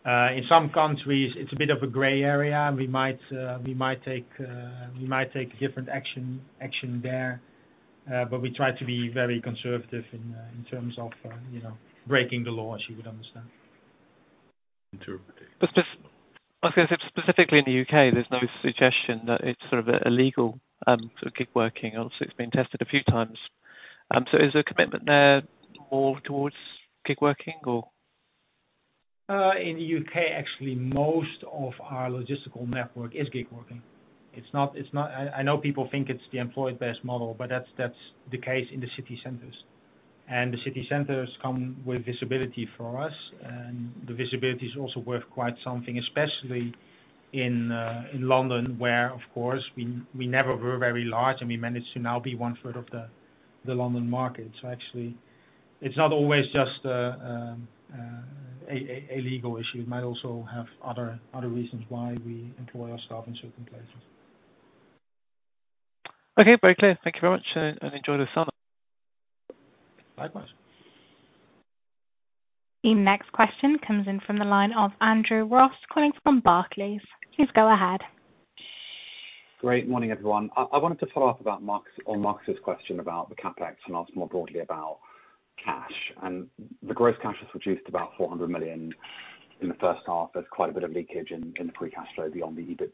In some countries, it's a bit of a gray area. We might take a different action there, but we try to be very conservative in terms of you know, breaking the law, as you would understand.
I was gonna say, specifically in the U.K., there's no suggestion that it's sort of illegal, sort of gig working. Obviously, it's been tested a few times. Is there a commitment there more towards gig working or?
In the U.K., actually, most of our logistical network is gig working. It's not—I know people think it's the employed-based model, but that's the case in the city centers. The city centers come with visibility for us, and the visibility is also worth quite something, especially in London, where, of course, we never were very large, and we managed to now be 1/3 of the London market. Actually, it's not always just a legal issue. It might also have other reasons why we employ our staff in certain places.
Okay, very clear. Thank you very much and enjoy the summer.
Likewise.
The next question comes in from the line of Andrew Ross, calling from Barclays. Please go ahead.
Good morning, everyone. I wanted to follow up about Marcus's question about the CapEx and ask more broadly about cash. The gross cash has reduced about 400 million in the first half. There's quite a bit of leakage in the free cash flow beyond the EBITDA.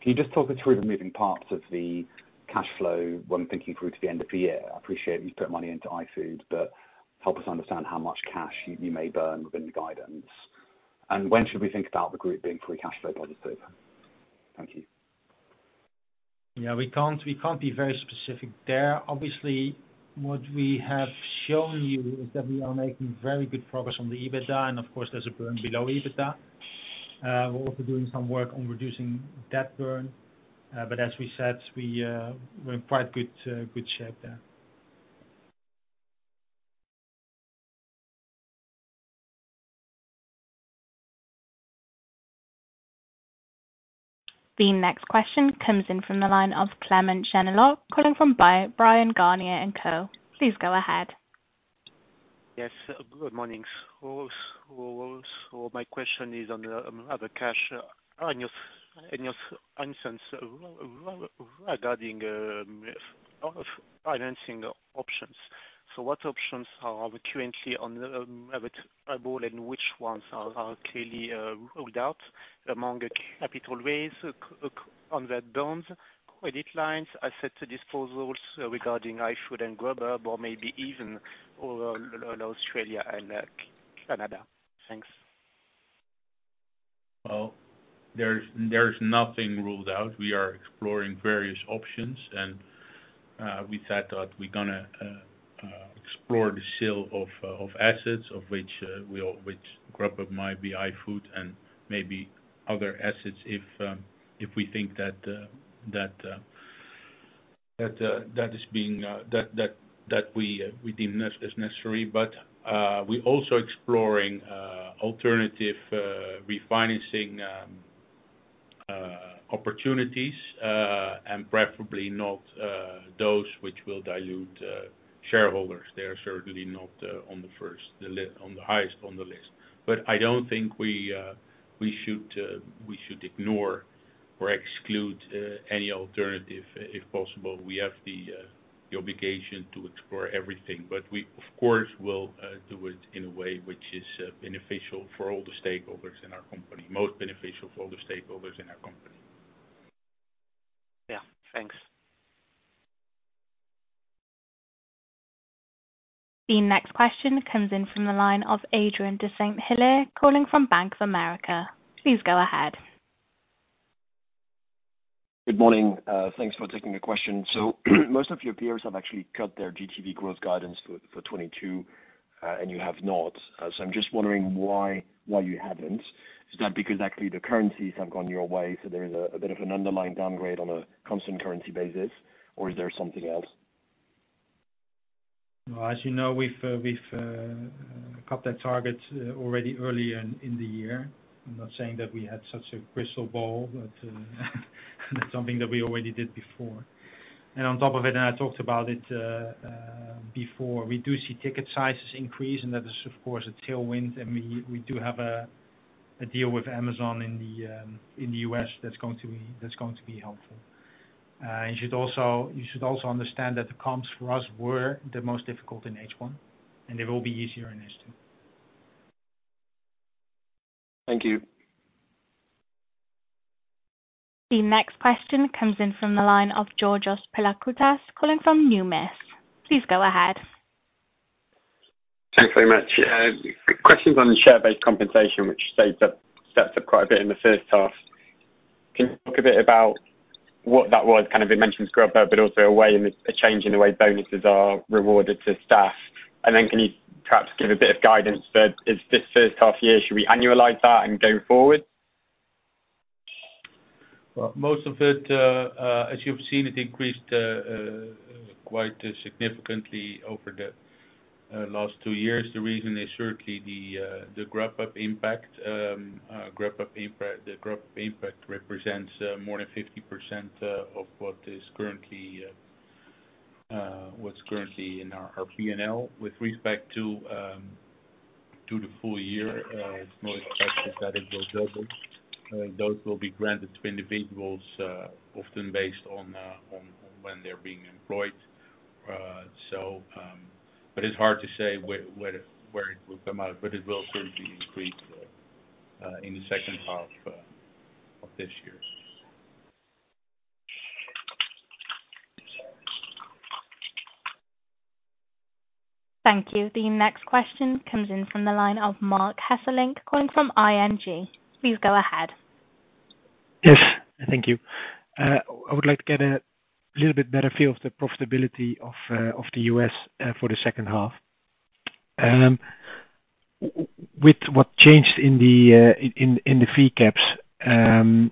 Can you just talk us through the moving parts of the cash flow when thinking through to the end of the year? I appreciate you've put money into iFood, but help us understand how much cash you may burn within the guidance. When should we think about the group being free cash flow positive? Thank you.
Yeah, we can't be very specific there. Obviously, what we have shown you is that we are making very good progress on the EBITDA, and of course, there's a burn below EBITDA. We're also doing some work on reducing debt burn. As we said, we're in quite good shape there.
The next question comes in from the line of Clément Genelot, calling from Bryan, Garnier & Co. Please go ahead.
Yes. Good morning. My question is on the other cash in your answers regarding of financing options. What options are currently on the table, and which ones are clearly ruled out among the capital raise on the bonds, credit lines, asset disposals regarding iFood and Grubhub or maybe even over Australia and Canada? Thanks.
Well, there's nothing ruled out. We are exploring various options, and we said that we're gonna explore the sale of assets of which Grubhub, iFood, and maybe other assets if we think that we deem necessary. We're also exploring alternative refinancing opportunities, and preferably not those which will dilute shareholders. They're certainly not the highest on the list. I don't think we should ignore or exclude any alternative if possible. We have the obligation to explore everything, but we, of course, will do it in a way which is beneficial for all the stakeholders in our company, most beneficial for all the stakeholders in our company.
Yeah. Thanks.
The next question comes in from the line of Adrien de Saint Hilaire, calling from Bank of America. Please go ahead.
Good morning. Thanks for taking the question. Most of your peers have actually cut their GTV growth guidance for 2022, and you have not. I'm just wondering why you haven't. Is that because actually the currencies have gone your way, so there's a bit of an underlying downgrade on a constant currency basis, or is there something else?
Well, as you know, we've cut that target already early in the year. I'm not saying that we had such a crystal ball, but that's something that we already did before. On top of it, I talked about it before, we do see ticket sizes increase, and that is, of course, a tailwind. We do have a deal with Amazon in the U.S. that's going to be helpful. You should also understand that the comps for us were the most difficult in H1, and they will be easier in H2.
Thank you.
The next question comes in from the line of Georgios Pilakoutas, calling from Numis. Please go ahead.
Thanks very much. Questions on share-based compensation, which states that that's up quite a bit in the first half. Can you talk a bit about what that was? Kind of, it mentions Grubhub, but also a change in the way bonuses are rewarded to staff. Then, can you perhaps give a bit of guidance for this first half year? Should we annualize that and go forward?
Well, most of it, as you've seen, it increased quite significantly over the last two years. The reason is certainly the Grubhub impact. The Grubhub impact represents more than 50% of what is currently in our P&L. With respect to the full year, it's more expected that it will double. Those will be granted to individuals, often based on when they're being employed. But it's hard to say where it will come out, but it will certainly increase in the second half of this year.
Thank you. The next question comes in from the line of Marc Hesselink, calling from ING. Please go ahead.
Yes. Thank you. I would like to get a little bit better feel of the profitability of the U.S. for the second half. With what changed in the fee caps and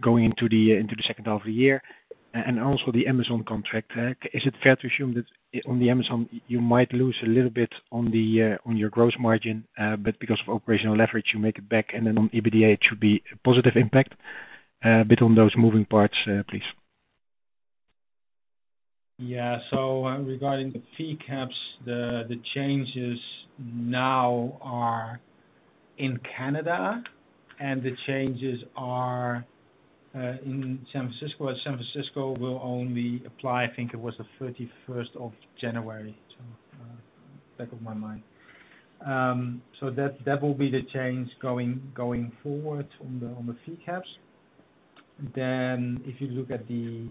going into the second half of the year, and also the Amazon contract, is it fair to assume that on the Amazon you might lose a little bit on your gross margin, but because of operational leverage, you make it back and then on EBITDA it should be a positive impact? A bit on those moving parts, please.
Yeah. Regarding the fee caps, the changes now are in Canada and the changes are in San Francisco. At San Francisco will only apply, I think it was the 31st of January, so back of my mind. That will be the change going forward on the fee caps. If you look at the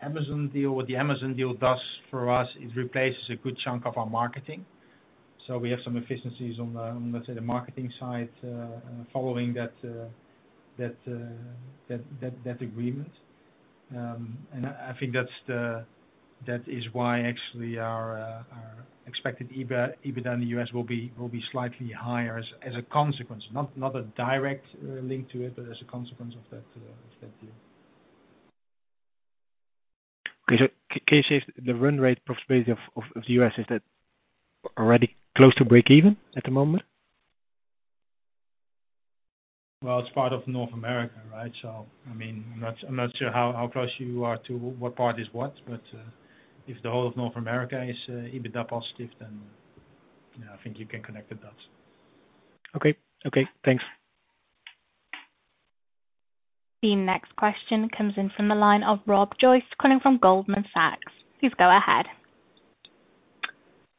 Amazon deal, what the Amazon deal does for us, it replaces a good chunk of our marketing. We have some efficiencies on the, let's say, the marketing side following that agreement. I think that is why actually our expected EBITDA in the U.S. will be slightly higher as a consequence, not a direct link to it, but as a consequence of that deal.
Okay. Can you say if the run rate profitability of the U.S. is that already close to breakeven at the moment?
Well, it's part of North America, right? I mean, I'm not sure how close you are to what part is what, but if the whole of North America is EBITDA positive, then, yeah, I think you can connect the dots.
Okay. Thanks.
The next question comes in from the line of Rob Joyce, calling from Goldman Sachs. Please go ahead.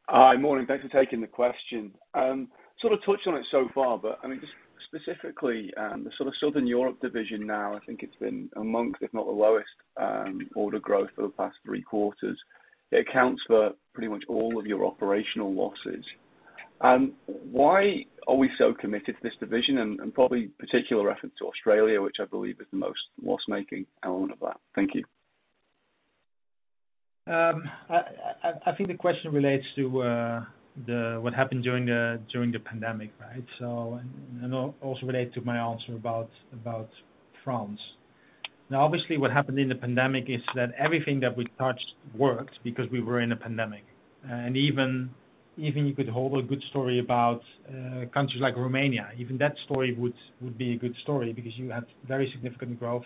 Hi. Morning. Thanks for taking the question. Sort of touched on it so far, but I mean, just specifically, the sort of Southern Europe division now, I think it's been amongst, if not the lowest, order growth for the past three quarters. It accounts for pretty much all of your operational losses. Why are we so committed to this division and with particular reference to Australia, which I believe is the most loss making element of that? Thank you.
I think the question relates to what happened during the pandemic, right? Also relate to my answer about France. Now, obviously, what happened in the pandemic is that everything that we touched worked because we were in a pandemic. Even you could hold a good story about countries like Romania. Even that story would be a good story because you had very significant growth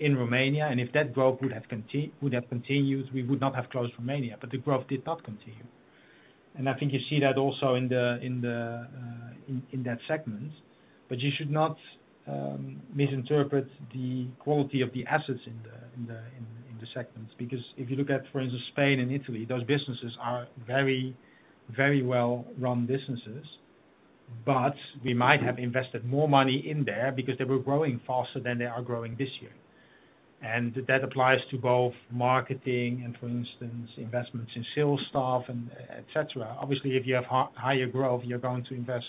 in Romania, and if that growth would have continued, we would not have closed Romania, but the growth did not continue. I think you see that also in that segment. You should not misinterpret the quality of the assets in the segments. Because if you look at, for instance, Spain and Italy, those businesses are very, very well-run businesses. But we might have invested more money in there because they were growing faster than they are growing this year. That applies to both marketing and, for instance, investments in sales staff and et cetera. Obviously, if you have higher growth, you're going to invest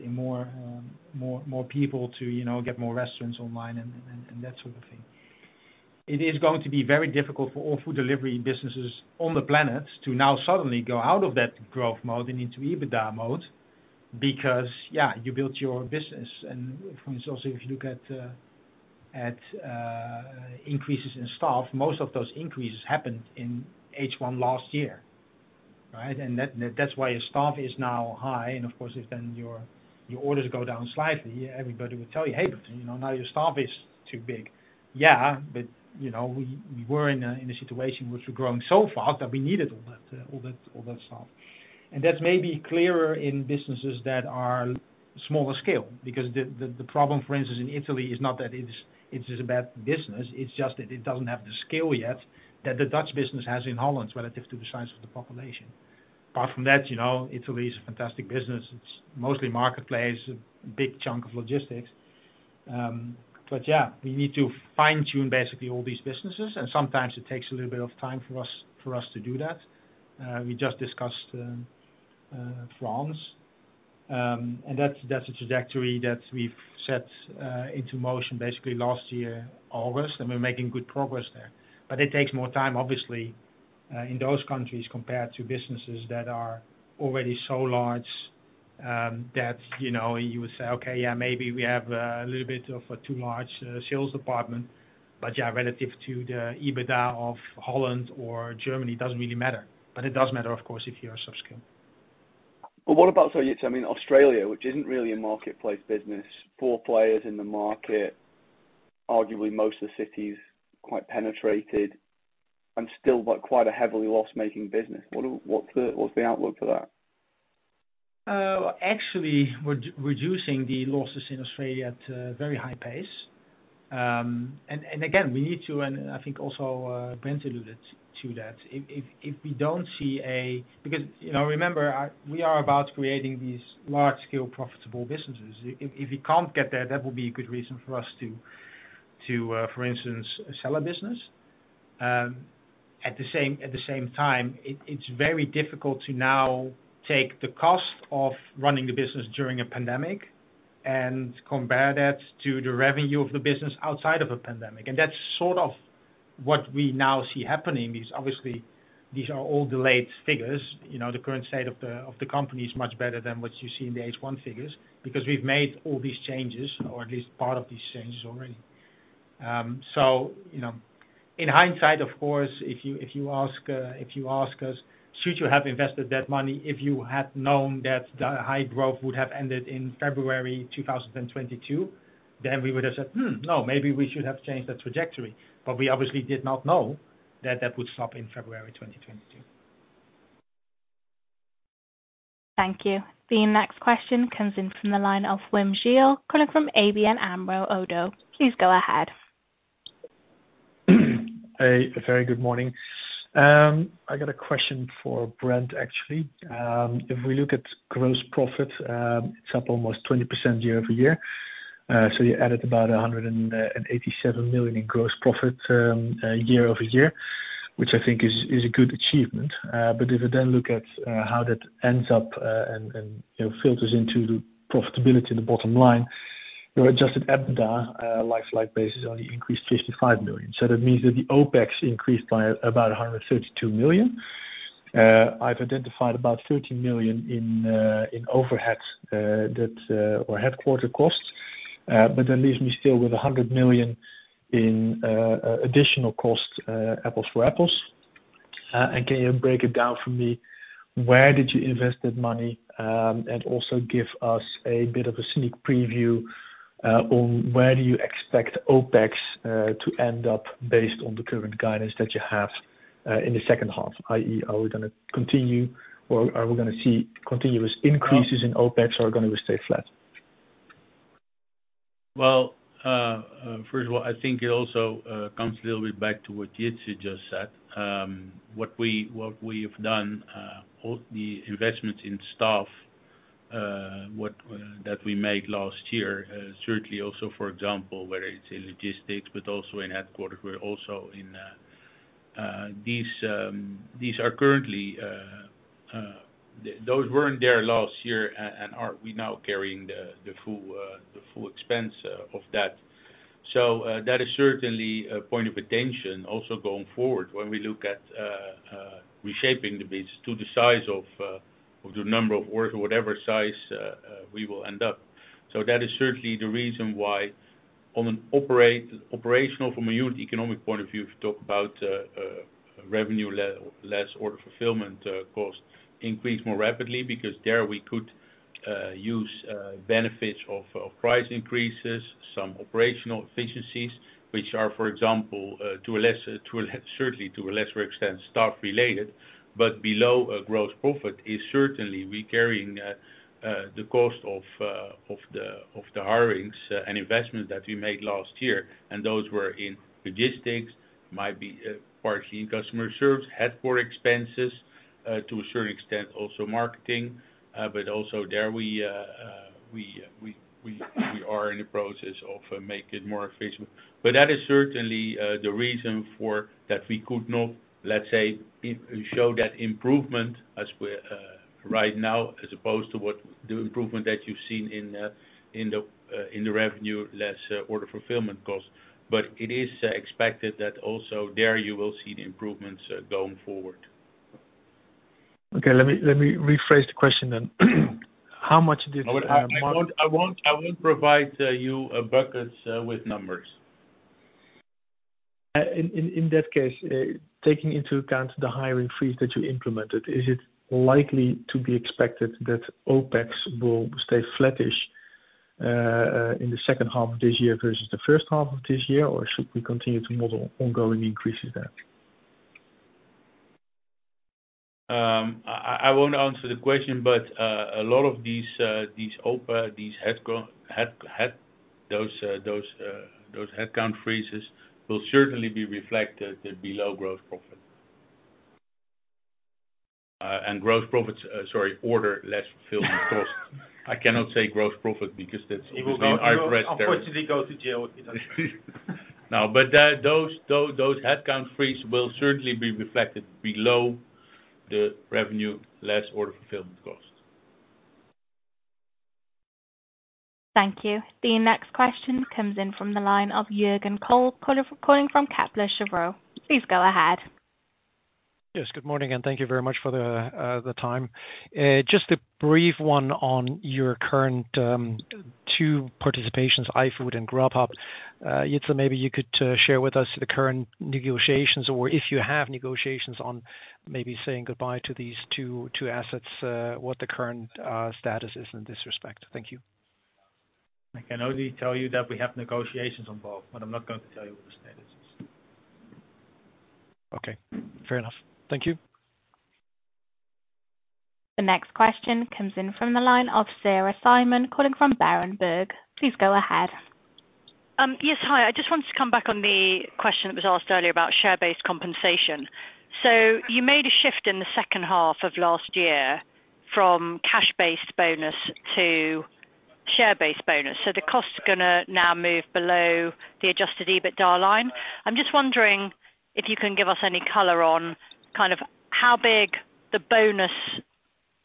in more people to, you know, get more restaurants online and that sort of thing. It is going to be very difficult for all food delivery businesses on the planet to now suddenly go out of that growth mode and into EBITDA mode because you built your business. For instance, also, if you look at increases in staff, most of those increases happened in H1 last year, right? That, that's why your staff is now high. Of course, if then your orders go down slightly, everybody will tell you, "Hey, but you know, now your staff is too big." Yeah, but you know, we were in a situation which we're growing so fast that we needed all that stuff. That's maybe clearer in businesses that are smaller scale, because the problem, for instance, in Italy is not that it's a bad business, it's just that it doesn't have the scale yet that the Dutch business has in Holland relative to the size of the population. Apart from that, you know, Italy is a fantastic business. It's mostly marketplace, a big chunk of logistics. Yeah, we need to fine-tune basically all these businesses, and sometimes it takes a little bit of time for us to do that. We just discussed France, and that's a trajectory that we've set into motion basically last year, August, and we're making good progress there. It takes more time, obviously, in those countries compared to businesses that are already so large that you know you would say, "Okay, yeah, maybe we have a little bit of a too large sales department," yeah, relative to the EBITDA of Holland or Germany, it doesn't really matter. It does matter, of course, if you are subscale.
What about, sorry, I mean, Australia, which isn't really a marketplace business, four players in the market, arguably most of the cities quite penetrated and still, like, quite a heavily loss-making business. What's the outlook for that?
Actually, we're reducing the losses in Australia at a very high pace. And again, I think also, Brent alluded to that. Because, you know, remember, we are about creating these large scale profitable businesses. If we can't get there, that would be a good reason for us to, for instance, sell a business. At the same time, it's very difficult to now take the cost of running the business during a pandemic and compare that to the revenue of the business outside of a pandemic. That's sort of what we now see happening, obviously these are all delayed figures. You know, the current state of the company is much better than what you see in the H1 figures because we've made all these changes or at least part of these changes already. You know, in hindsight, of course, if you ask us, should you have invested that money if you had known that the high growth would have ended in February 2022, then we would have said, "Hmm, no, maybe we should have changed that trajectory." We obviously did not know that that would stop in February 2022.
Thank you. The next question comes in from the line of Wim Gille, calling from ABN AMRO ODDO. Please go ahead.
A very good morning. I got a question for Brent, actually. If we look at gross profit, it's up almost 20% year-over-year. You added about 187 million in gross profit year-over-year, which I think is a good achievement. If you then look at how that ends up and you know filters into the profitability, the bottom line, your adjusted EBITDA like-for-like basis only increased 55 million. That means that the OpEx increased by about 132 million. I've identified about 30 million in overhead or headquarters costs. That leaves me still with 100 million in additional costs, apples for apples. Can you break it down for me, where did you invest that money? Also give us a bit of a sneak preview on where do you expect OpEx to end up based on the current guidance that you have in the second half, i.e., are we gonna continue, or are we gonna see continuous increases in OpEx or are gonna stay flat?
Well, first of all, I think it also comes a little bit back to what Jitse just said. What we have done, all the investments in staff that we made last year, certainly also, for example, whether it's in logistics but also in headquarters, those weren't there last year and we are now carrying the full expense of that. That is certainly a point of attention also going forward when we look at reshaping the business to the size of the number of orders or whatever size we will end up. That is certainly the reason why on an operational from a unit economic point of view to talk about revenue less order fulfillment cost increase more rapidly because there we could use benefits of price increases, some operational efficiencies, which are, for example, certainly to a lesser extent, staff related, but below gross profit we are certainly carrying the cost of the hirings and investments that we made last year. Those were in logistics, might be partially in customer service, headquarters expenses, to a certain extent, also marketing. But also there we are in the process of making more efficient. That is certainly the reason for that we could not, let's say, show that improvement as we right now, as opposed to what the improvement that you've seen in the revenue less order fulfillment costs. It is expected that also there you will see the improvements going forward.
Okay. Let me rephrase the question then. How much did-
I won't provide you buckets with numbers.
In that case, taking into account the hiring freeze that you implemented, is it likely to be expected that OpEx will stay flattish in the second half of this year versus the first half of this year? Or should we continue to model ongoing increases there?
I won't answer the question, but a lot of these headcount freezes will certainly be reflected below gross profit. Gross profits, sorry, order less fulfillment costs. I cannot say gross profit because that's-
You will go-
I've read there-
Unfortunately, go to jail if you don't.
No, those headcount freeze will certainly be reflected below the revenue less order fulfillment costs.
Thank you. The next question comes in from the line of Jürgen Kolb, calling from Kepler Cheuvreux. Please go ahead.
Yes, good morning, and thank you very much for the time. Just a brief one on your current two participations, iFood and Grubhub. Jitse, maybe you could share with us the current negotiations or if you have negotiations on maybe saying goodbye to these two assets, what the current status is in this respect. Thank you.
I can only tell you that we have negotiations involved, but I'm not going to tell you what the status is.
Okay, fair enough. Thank you.
The next question comes in from the line of Sarah Simon, calling from Berenberg. Please go ahead.
Yes. Hi. I just wanted to come back on the question that was asked earlier about share-based compensation. You made a shift in the second half of last year from cash-based bonus to share-based bonus. The cost is gonna now move below the adjusted EBITDA line. I'm just wondering if you can give us any color on kind of how big the bonus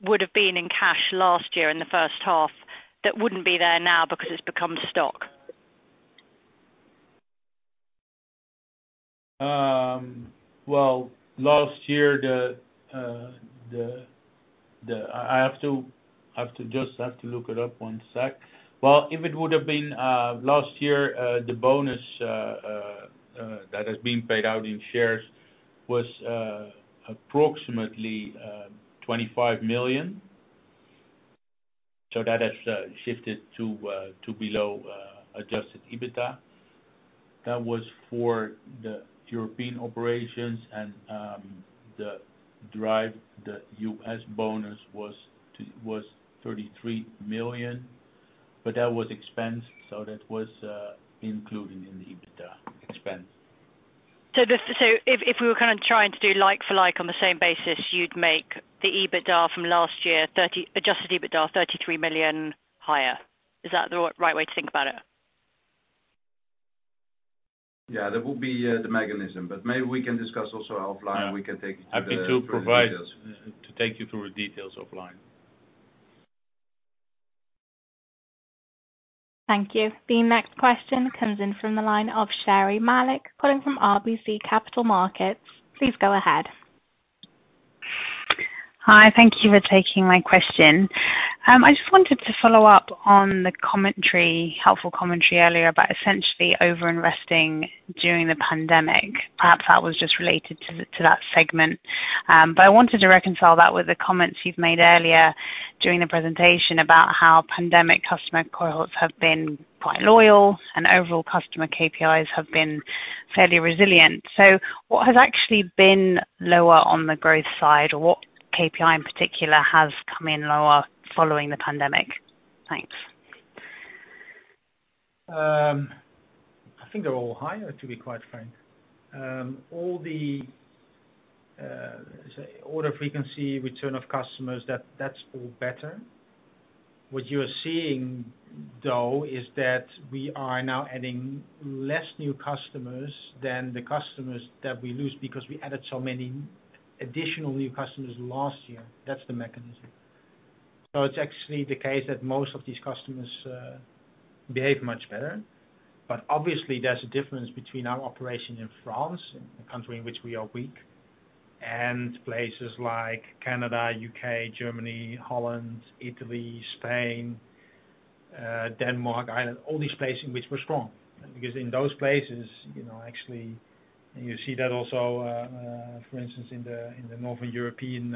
would have been in cash last year in the first half that wouldn't be there now because it's become stock?
Well, last year I have to just look it up one sec. Well, if it would have been last year, the bonus that has been paid out in shares was approximately 25 million. That has shifted to below adjusted EBITDA. That was for the European operations and the U.S. bonus was 33 million. That was expense, so that was included in the EBITDA expense.
If we were kinda trying to do like for like on the same basis, you'd make the EBITDA from last year, adjusted EBITDA, 33 million higher. Is that the right way to think about it?
Yeah, that would be the mechanism, but maybe we can discuss also offline and we can take you through the details. Happy to provide, to take you through the details offline.
Thank you. The next question comes in from the line of Sherri Malek calling from RBC Capital Markets. Please go ahead.
Hi. Thank you for taking my question. I just wanted to follow up on the commentary, helpful commentary earlier about essentially over-investing during the pandemic. Perhaps that was just related to that segment. I wanted to reconcile that with the comments you've made earlier during the presentation about how pandemic customer cohorts have been quite loyal and overall customer KPIs have been fairly resilient. What has actually been lower on the growth side, or what KPI in particular has come in lower following the pandemic? Thanks.
I think they're all higher, to be quite frank. All the, say order frequency, return of customers, that's all better. What you are seeing, though, is that we are now adding less new customers than the customers that we lose because we added so many additional new customers last year. That's the mechanism. It's actually the case that most of these customers behave much better. But obviously, there's a difference between our operation in France, a country in which we are weak, and places like Canada, U.K., Germany, Holland, Italy, Spain, Denmark, Ireland, all these places in which we're strong. Because in those places, you know, actually, and you see that also, for instance, in the Northern European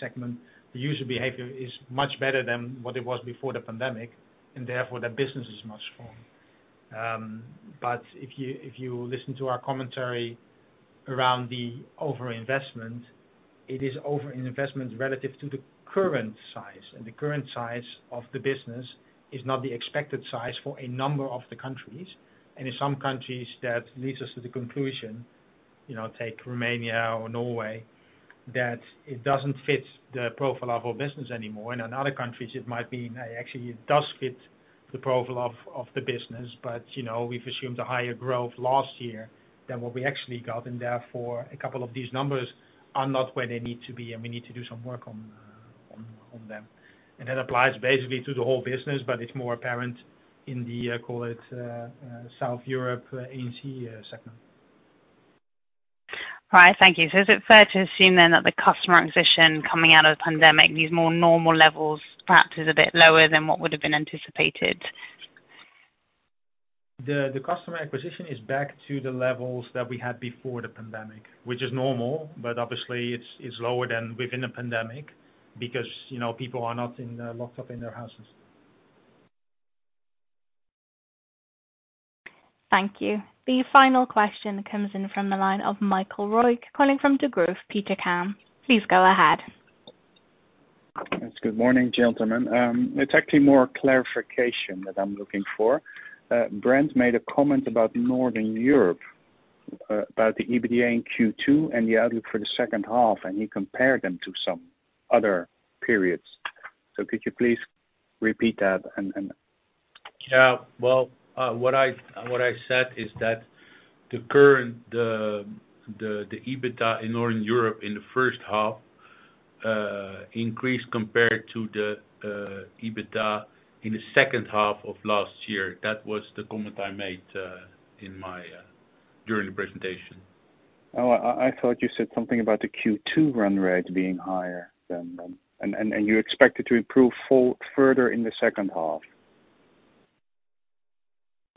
segment, the user behavior is much better than what it was before the pandemic, and therefore the business is much stronger. If you listen to our commentary around the over-investment, it is over-investment relative to the current size. The current size of the business is not the expected size for a number of the countries. In some countries that leads us to the conclusion, you know, take Romania or Norway, that it doesn't fit the profile of our business anymore. In another countries it might be, actually it does fit the profile of the business. You know, we've assumed a higher growth last year than what we actually got, and therefore a couple of these numbers are not where they need to be, and we need to do some work on them. That applies basically to the whole business, but it's more apparent in the, call it, South Europe, ANZ, segment.
All right. Thank you. Is it fair to assume then that the customer acquisition coming out of the pandemic needs more normal levels, perhaps is a bit lower than what would've been anticipated?
The customer acquisition is back to the levels that we had before the pandemic, which is normal, but obviously it's lower than within the pandemic because, you know, people are not locked up in their houses.
Thank you. The final question comes in from the line of Michael Roeg, calling from Degroof Petercam. Please go ahead.
Yes. Good morning, gentlemen. It's actually more clarification that I'm looking for. Brent made a comment about Northern Europe, about the EBITDA in Q2 and the outlook for the second half, and he compared them to some other periods. Could you please repeat that and-
Yeah. Well, what I said is that the current EBITDA in Northern Europe in the first half increased compared to the EBITDA in the second half of last year. That was the comment I made during the presentation.
Oh, I thought you said something about the Q2 run rate being higher than you expect it to improve further in the second half.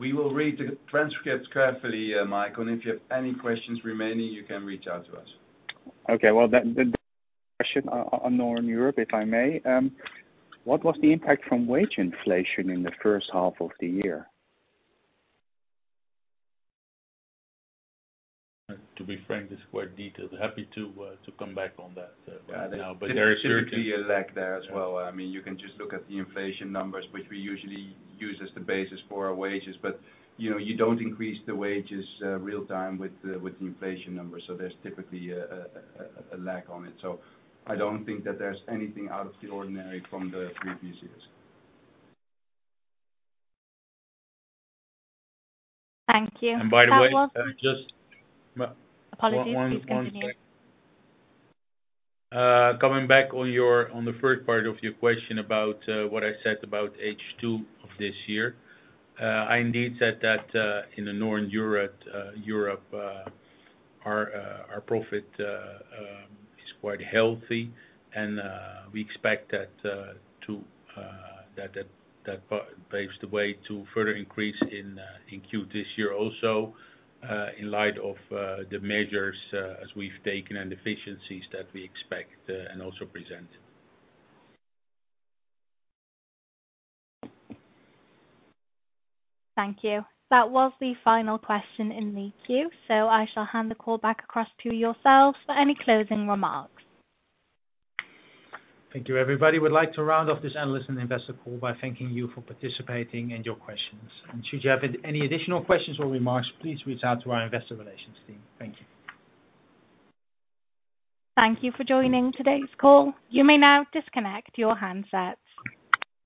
We will read the transcript carefully, Michael, and if you have any questions remaining, you can reach out to us.
Okay. Well, then question on Northern Europe, if I may. What was the impact from wage inflation in the first half of the year?
To be frank, it's quite detailed. Happy to come back on that, right now. There is certainly--There is typically a lag there as well. I mean, you can just look at the inflation numbers, which we usually use as the basis for our wages. You know, you don't increase the wages real time with the inflation numbers, so there's typically a lag on it. I don't think that there's anything out of the ordinary from the previous years.
Thank you.
By the way, can I just-
Apologies. Please continue.
One thing. Coming back on the first part of your question about what I said about H2 of this year. I indeed said that in Northern Europe our profit is quite healthy and we expect that to pave the way to further increase in Q this year also in light of the measures as we've taken and efficiencies that we expect and also present.
Thank you. That was the final question in the queue, so I shall hand the call back across to yourselves for any closing remarks.
Thank you everybody. We'd like to round off this analyst and investor call by thanking you for participating and your questions. Should you have any additional questions or remarks, please reach out to our investor relations team. Thank you.
Thank you for joining today's call. You may now disconnect your handsets.